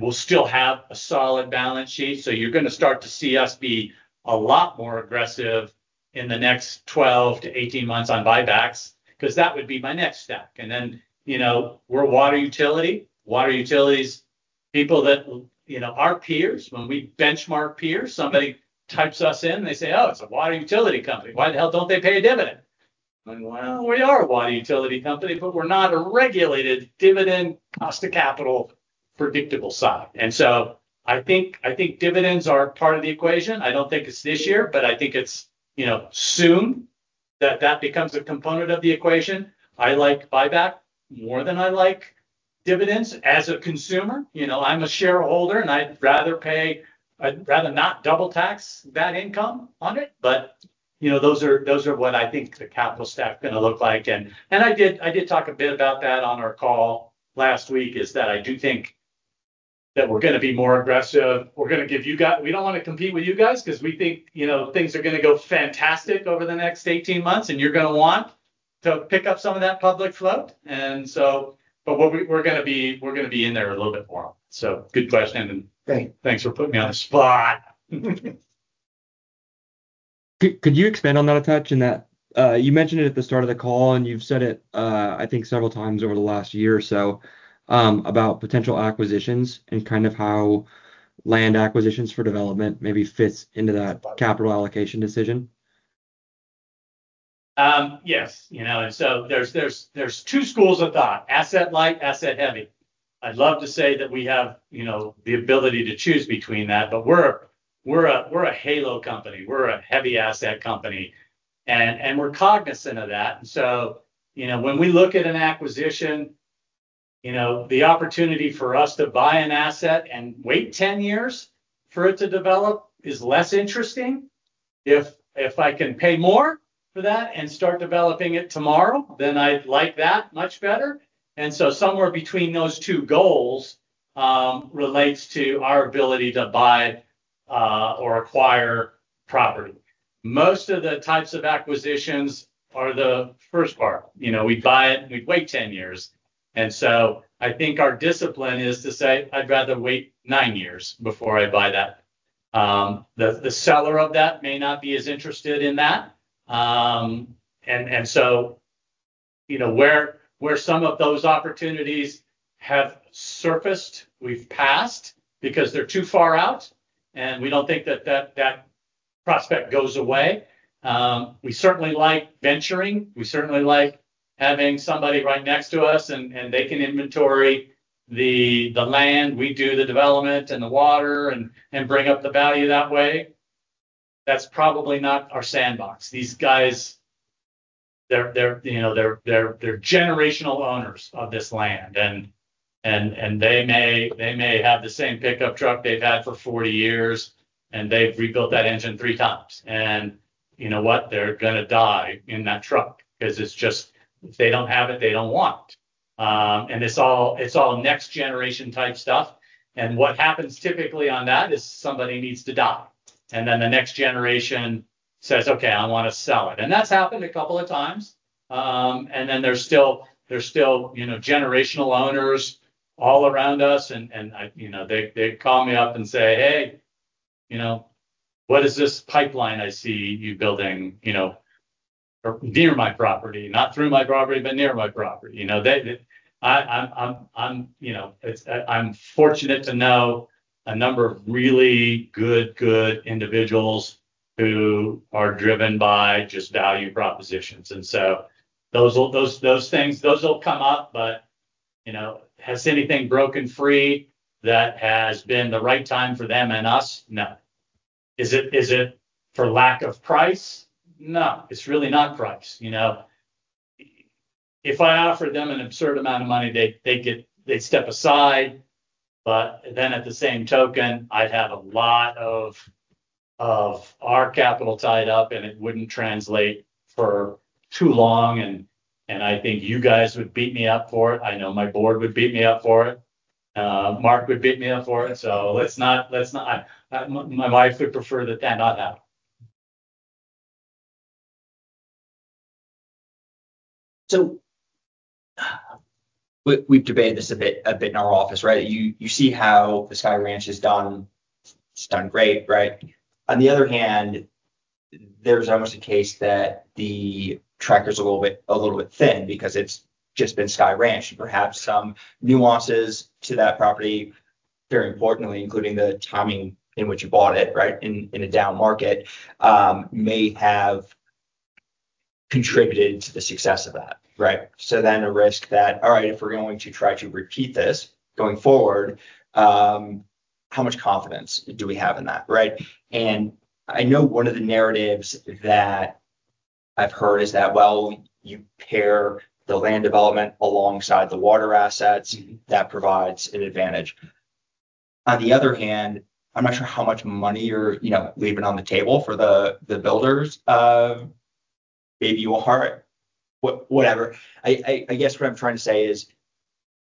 We'll still have a solid balance sheet. You're going to start to see us be a lot more aggressive in the next 12-18 months on buybacks, because that would be my next step. We're a water utility. Water utilities, our peers, when we benchmark peers, somebody types us in, they say, "Oh, it's a water utility company. Why the hell don't they pay a dividend?" I'm like, "We are a water utility company, but we're not a regulated dividend cost to capital predictable side." I think dividends are part of the equation. I don't think it's this year, but I think it's soon that that becomes a component of the equation. I like buyback more than I like dividends as a consumer. I'm a shareholder, and I'd rather not double tax that income on it. Those are what I think the capital stack going to look like. I did talk a bit about that on our call last week, is that I do think that we're going to be more aggressive. We don't want to compete with you guys because we think things are going to go fantastic over the next 18 months, and you're going to want to pick up some of that public float. We're going to be in there a little bit more. Good question. Thank you. Thanks for putting me on the spot. Could you expand on that a touch? In that you mentioned it at the start of the call, you've said it, I think several times over the last year or so, about potential acquisitions and how land acquisitions for development maybe fits into that capital allocation decision. Yes. There's two schools of thought, asset light, asset heavy. I'd love to say that we have the ability to choose between that, but we're a halo company, we're a heavy asset company, and we're cognizant of that. When we look at an acquisition, the opportunity for us to buy an asset and wait 10 years for it to develop is less interesting. If I can pay more for that and start developing it tomorrow, then I'd like that much better. Somewhere between those two goals, relates to our ability to buy or acquire property. Most of the types of acquisitions are the first part. We buy it, we wait 10 years. I think our discipline is to say, "I'd rather wait nine years before I buy that." The seller of that may not be as interested in that. Where some of those opportunities have surfaced, we've passed because they're too far out, and we don't think that that prospect goes away. We certainly like venturing. We certainly like having somebody right next to us, and they can inventory the land. We do the development and the water and bring up the value that way. That's probably not our sandbox. These guys, they're generational owners of this land. They may have the same pickup truck they've had for 40 years, and they've rebuilt that engine three times. You know what? They're going to die in that truck because it's just if they don't have it, they don't want. It's all next generation type stuff. What happens typically on that is somebody needs to die, then the next generation says, "Okay, I want to sell it." That's happened a couple of times. There's still generational owners all around us, and they call me up and say, "Hey, what is this pipeline I see you building near my property? Not through my property, but near my property." I'm fortunate to know a number of really good individuals who are driven by just value propositions. Those things, those will come up, but has anything broken free that has been the right time for them and us? No. Is it for lack of price? No, it's really not price. If I offer them an absurd amount of money, they'd step aside. At the same token, I'd have a lot of our capital tied up, and it wouldn't translate for too long, and I think you guys would beat me up for it. I know my board would beat me up for it. Mark would beat me up for it. Let's not. My wife would prefer that that not happen. We've debated this a bit in our office, right? You see how the Sky Ranch has done. It's done great, right? On the other hand, there's almost a case that the track record's a little bit thin because it's just been Sky Ranch and perhaps some nuances to that property, very importantly, including the timing in which you bought it, right? In a down market, may have contributed to the success of that, right? A risk that, all right, if we're going to try to repeat this going forward, how much confidence do we have in that, right? I know one of the narratives that I've heard is that, well, you pair the land development alongside the water assets- That provides an advantage. On the other hand, I'm not sure how much money you're leaving on the table for the builders of maybe Johar, whatever. I guess what I'm trying to say is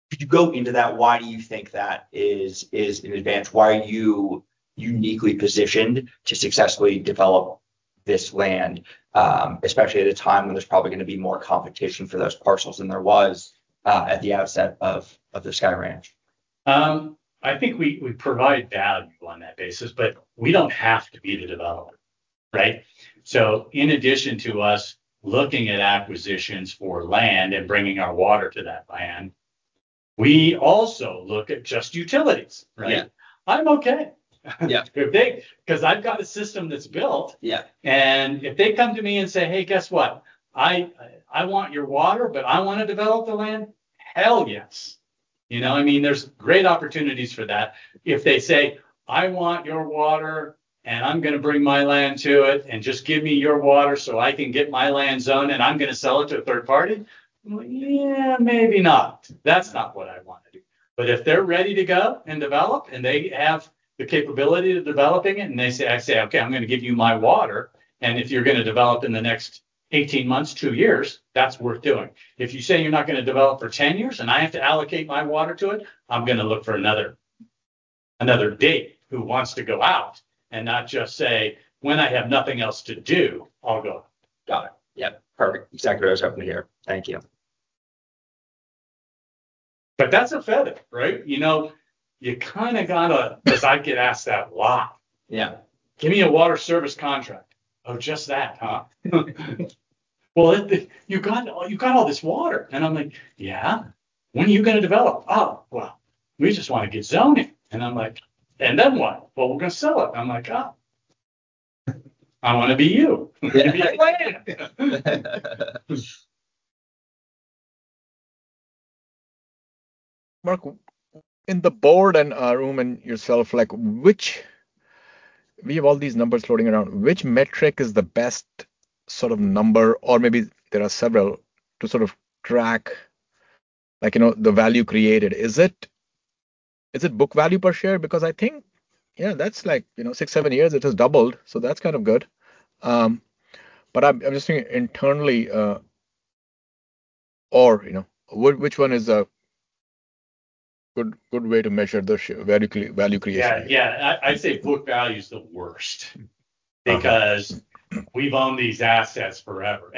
could you go into that? Why do you think that is an advantage? Why are you uniquely positioned to successfully develop this land? Especially at a time when there's probably going to be more competition for those parcels than there was at the outset of the Sky Ranch. I think we provide value on that basis, but we don't have to be the developer, right? In addition to us looking at acquisitions for land and bringing our water to that land, we also look at just utilities, right? Yeah. I'm okay. Yeah. They're big. I've got a system that's built. Yeah. If they come to me and say, "Hey, guess what? I want your water, but I want to develop the land," hell, yes. There's great opportunities for that. If they say, "I want your water, and I'm going to bring my land to it and just give me your water so I can get my land zone and I'm going to sell it to a third party." I'm like, "Yeah, maybe not." That's not what I want to do. If they're ready to go and develop and they have the capability to developing it, and they say, I say, "Okay, I'm going to give you my water." If you're going to develop in the next 18 months, two years, that's worth doing. If you say you're not going to develop for 10 years and I have to allocate my water to it, I'm going to look for another date who wants to go out and not just say, "When I have nothing else to do, I'll go. Got it. Yep, perfect. Exactly what I was hoping to hear. Thank you. That's a feather, right? Because I get asked that a lot. Yeah. Give me a water service contract." "Oh, just that, huh?" "Well, you've got all this water." I'm like, "Yeah. When are you going to develop?" "Well, we just want to get zoning." I'm like, "And then what?" "Well, we're going to sell it." I'm like, "Oh. I want to be you. Yeah. Mark, in the boardroom and yourself, we have all these numbers floating around. Which metric is the best sort of number, or maybe there are several, to sort of track the value created? Is it book value per share? Because I think, yeah, that's six, seven years it has doubled, that's kind of good. I'm just thinking internally, or which one is a good way to measure the value creation? Yeah. I'd say book value's the worst. Okay. We've owned these assets forever.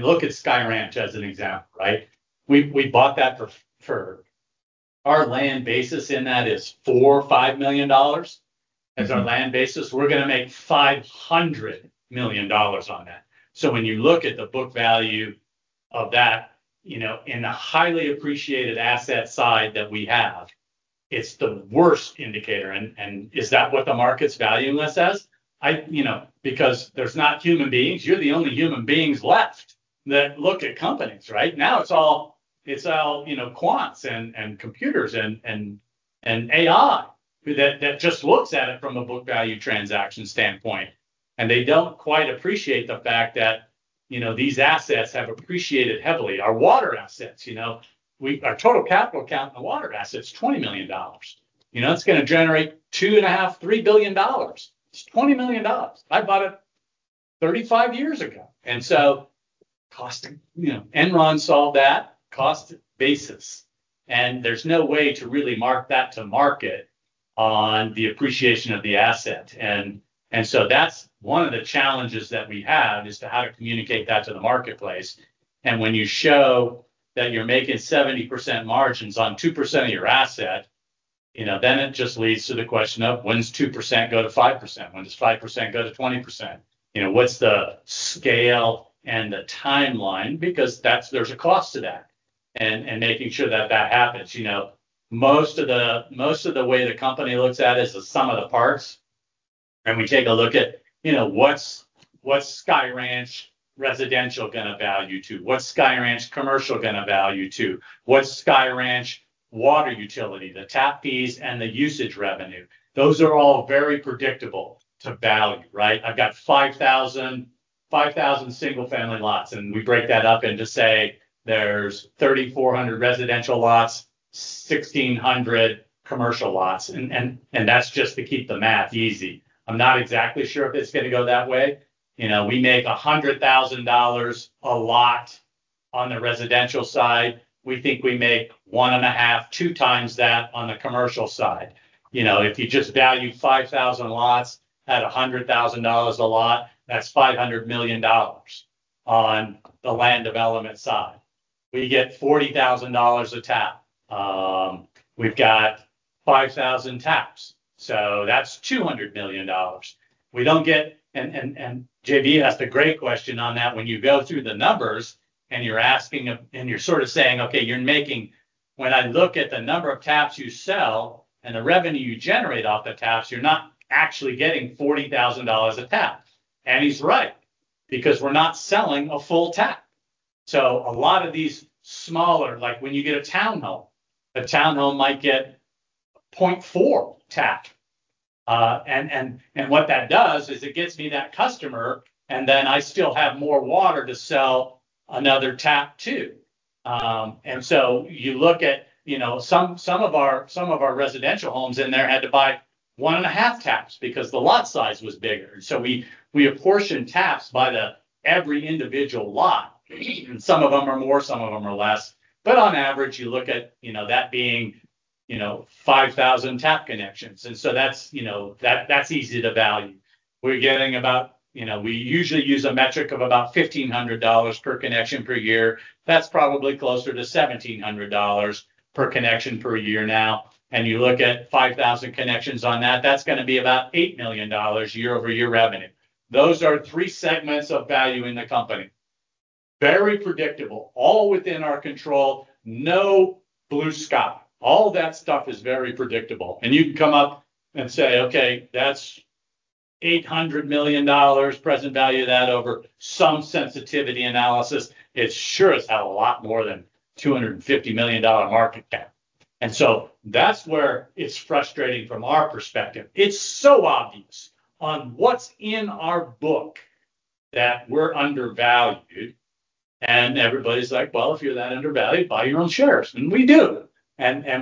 Look at Sky Ranch as an example, right? We bought that for our land basis, $4 million or $5 million. That's our land basis. We're going to make $500 million on that. When you look at the book value of that in the highly appreciated asset side that we have, it's the worst indicator. Is that what the market's valuing this as? There's not human beings. You're the only human beings left that look at companies, right? Now it's all quants and computers and AI that just looks at it from a book value transaction standpoint, they don't quite appreciate the fact that these assets have appreciated heavily. Our water assets, our total capital account in the water asset's $20 million. It's going to generate $2.5 billion, $3 billion. It's $20 million. I bought it 35 years ago, Enron solved that cost basis, there's no way to really mark that to market on the appreciation of the asset. That's one of the challenges that we have, is to how to communicate that to the marketplace. When you show that you're making 70% margins on 2% of your asset, it just leads to the question of when's 2% go to 5%? When does 5% go to 20%? What's the scale and the timeline, there's a cost to that, making sure that that happens. Most of the way the company looks at is the sum of the parts, we take a look at what's Sky Ranch residential going to value to? What's Sky Ranch commercial going to value to? What's Sky Ranch water utility, the tap fees and the usage revenue? Those are all very predictable to value, right. I've got 5,000 single family lots. We break that up into, say, there's 3,400 residential lots, 1,600 commercial lots. That's just to keep the math easy. I'm not exactly sure if it's going to go that way. We make $100,000 a lot on the residential side. We think we make one and a half, two times that on the commercial side. If you just value 5,000 lots at $100,000 a lot, that's $500 million on the land development side. We get $40,000 a tap. We've got 5,000 taps, that's $200 million. JB asked a great question on that. When you go through the numbers and you're sort of saying, "Okay, when I look at the number of taps you sell and the revenue you generate off the taps, you're not actually getting $40,000 a tap." He's right, because we're not selling a full tap. A lot of these smaller, like when you get a townhome, the townhome might get 0.4 tap. What that does is it gets me that customer. Then I still have more water to sell another tap to. You look at some of our residential homes in there had to buy one and a half taps because the lot size was bigger. We apportion taps by the every individual lot. Some of them are more, some of them are less. On average, you look at that being 5,000 tap connections, that's easy to value. We usually use a metric of about $1,500 per connection per year. That's probably closer to $1,700 per connection per year now. You look at 5,000 connections on that's going to be about $8 million year-over-year revenue. Those are three segments of value in the company. Very predictable, all within our control, no blue sky. All that stuff is very predictable. You can come up and say, "Okay, that's $800 million, present value of that over some sensitivity analysis." It sure as hell a lot more than $250 million market cap. That's where it's frustrating from our perspective. It's so obvious on what's in our book that we're undervalued. Everybody's like, "Well, if you're that undervalued, buy your own shares." We do.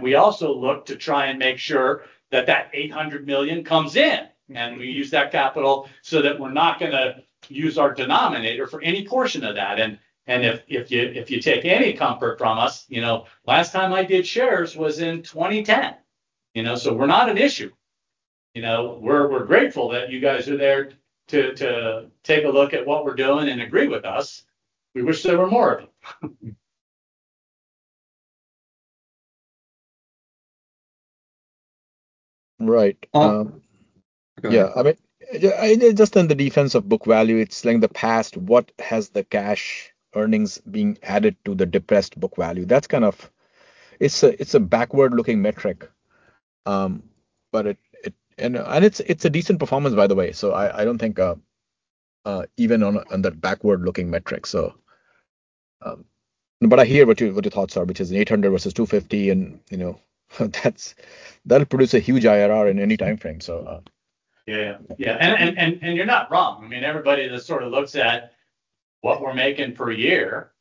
We also look to try and make sure that that $800 million comes in. We use that capital that we're not going to use our denominator for any portion of that. If you take any comfort from us, last time I did shares was in 2010. We're not an issue. We're grateful that you guys are there to take a look at what we're doing and agree with us. We wish there were more of you. Right. Go ahead. Yeah. Just on the defense of book value, it's like the past, what has the cash earnings being added to the depressed book value? It's a backward-looking metric. It's a decent performance, by the way. I don't think, even on that backward-looking metric. I hear what your thoughts are, which is 800 versus 250, and that'll produce a huge IRR in any timeframe. Yeah. You're not wrong. Everybody that looks at what we're making per year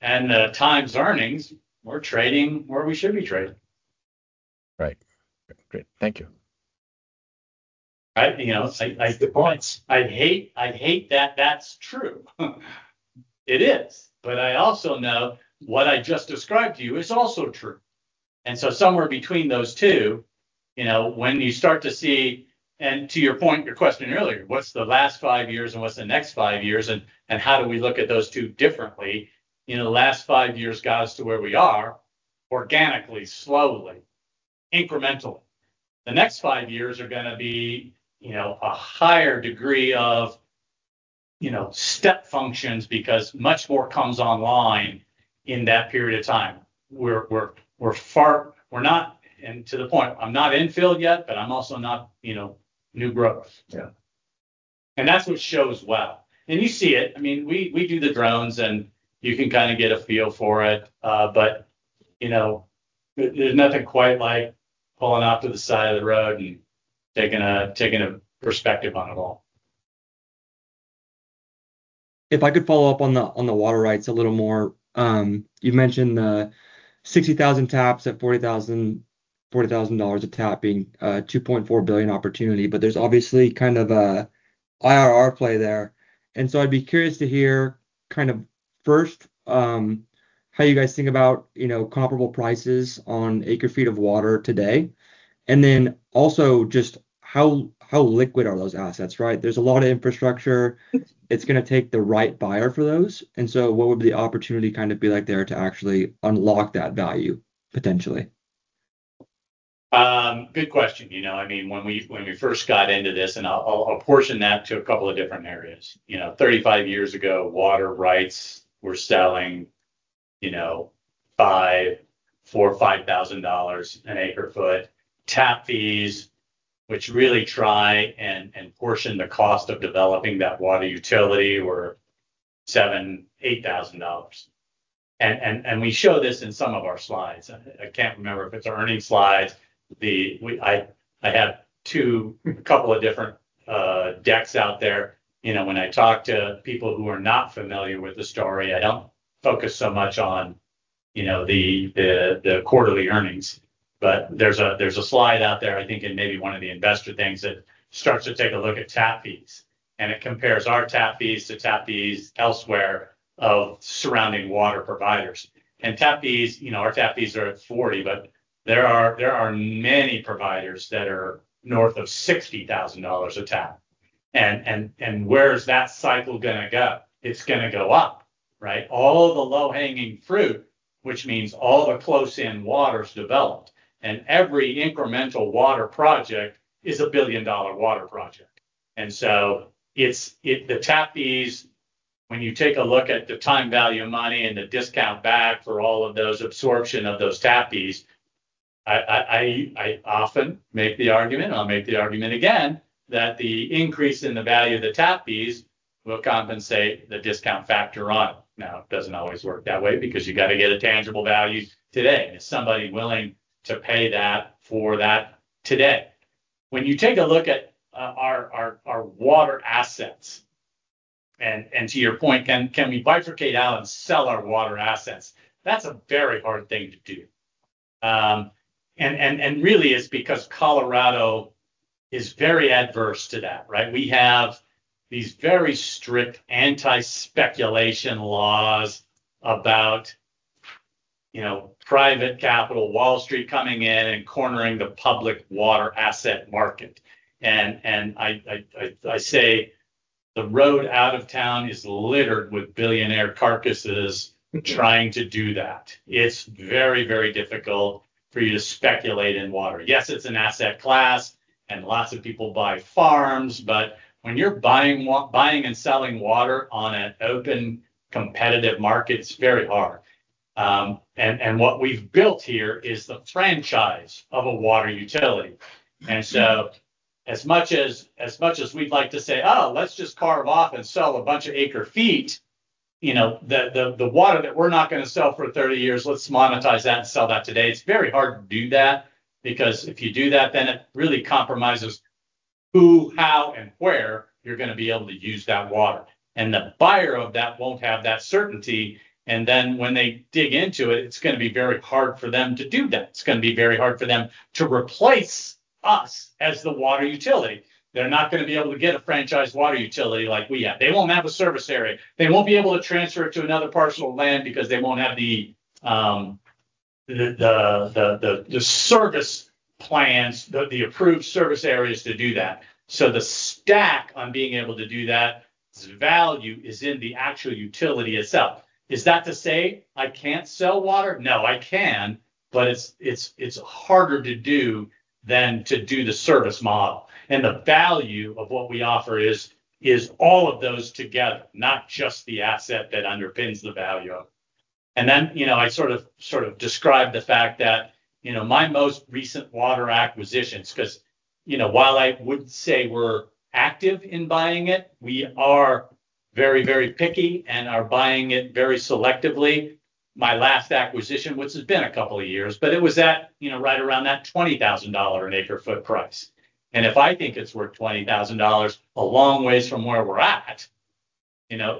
and the times earnings, we're trading where we should be trading. Right. Great. Thank you. Right. That's a good point. I hate that that's true. It is. I also know what I just described to you is also true. Somewhere between those two, when you start to see, and to your point, your question earlier, what's the last five years and what's the next five years, and how do we look at those two differently? The last five years got us to where we are organically, slowly, incrementally. The next five years are going to be a higher degree of step functions because much more comes online in that period of time. To the point, I'm not in field yet, but I'm also not new growth. Yeah. That's what shows well. You see it. We do the drones, and you can kind of get a feel for it. There's nothing quite like pulling off to the side of the road and taking a perspective on it all. If I could follow up on the water rights a little more. You mentioned the 60,000 taps at $40,000 a tap being a $2.4 billion opportunity, there's obviously kind of a IRR play there. I'd be curious to hear first, how you guys think about comparable prices on acre feet of water today, and then also just how liquid are those assets, right? There's a lot of infrastructure. It's going to take the right buyer for those. What would the opportunity be like there to actually unlock that value potentially? Good question. When we first got into this, I'll portion that to a couple of different areas. 35 years ago, water rights were selling $4,000 or $5,000 an acre foot. Tap fees, which really try and portion the cost of developing that water utility, were $7,000, $8,000. We show this in some of our slides. I can't remember if it's earnings slides. I have two different decks out there. When I talk to people who are not familiar with the story, I don't focus so much on the quarterly earnings. There's a slide out there, I think in maybe one of the investor things, that starts to take a look at tap fees, and it compares our tap fees to tap fees elsewhere of surrounding water providers. Our tap fees are at $40,000, but there are many providers that are north of $60,000 a tap. Where is that cycle going to go? It's going to go up, right? All the low-hanging fruit, which means all the close-in water's developed, every incremental water project is a billion-dollar water project. The tap fees, when you take a look at the time value of money and the discount back for all of those absorption of those tap fees, I often make the argument, and I'll make the argument again, that the increase in the value of the tap fees will compensate the discount factor on. It doesn't always work that way because you got to get a tangible value today. Is somebody willing to pay that for that today? When you take a look at our water assets, to your point, can we bifurcate out and sell our water assets? That's a very hard thing to do. Really, it's because Colorado is very adverse to that, right? We have these very strict anti-speculation doctrine about private capital, Wall Street coming in and cornering the public water asset market. I say the road out of town is littered with billionaire carcasses trying to do that. It's very, very difficult for you to speculate in water. Yes, it's an asset class, lots of people buy farms, but when you're buying and selling water on an open, competitive market, it's very hard. What we've built here is the franchise of a water utility. As much as we'd like to say, "Oh, let's just carve off and sell a bunch of acre feet, the water that we're not going to sell for 30 years, let's monetize that and sell that today," it's very hard to do that because if you do that, then it really compromises who, how, and where you're going to be able to use that water. The buyer of that won't have that certainty, when they dig into it's going to be very hard for them to do that. It's going to be very hard for them to replace us as the water utility. They're not going to be able to get a franchise water utility like we have. They won't have a service area. They won't be able to transfer it to another parcel of land because they won't have the service plans, the approved service areas to do that. The stack on being able to do that, its value is in the actual utility itself. Is that to say I can't sell water? No, I can, but it's harder to do than to do the service model. The value of what we offer is all of those together, not just the asset that underpins the value of it. Then I sort of described the fact that my most recent water acquisitions, because while I wouldn't say we're active in buying it, we are very, very picky and are buying it very selectively. My last acquisition, which has been a couple of years, but it was right around that $20,000 an acre-foot price. If I think it's worth $20,000 a long ways from where we're at,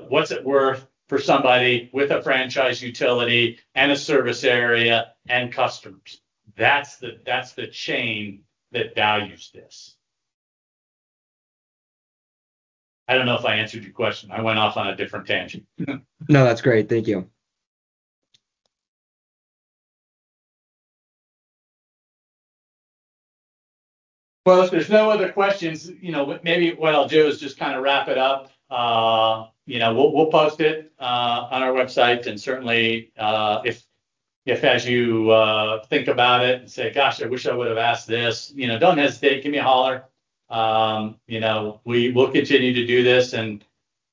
what's it worth for somebody with a franchise utility and a service area and customers? That's the chain that values this. I don't know if I answered your question. I went off on a different tangent. No, that's great. Thank you. If there's no other questions, maybe what I'll do is just wrap it up. We'll post it on our website and certainly, if as you think about it and say, "Gosh, I wish I would've asked this," don't hesitate, give me a holler. We'll continue to do this and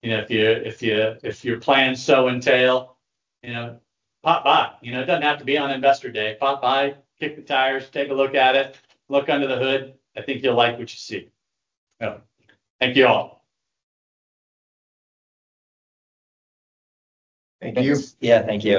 if your plans so entail, pop by. It doesn't have to be on Investor Day. Pop by, kick the tires, take a look at it, look under the hood. I think you'll like what you see. Thank you, all. Thank you. Yeah. Thank you.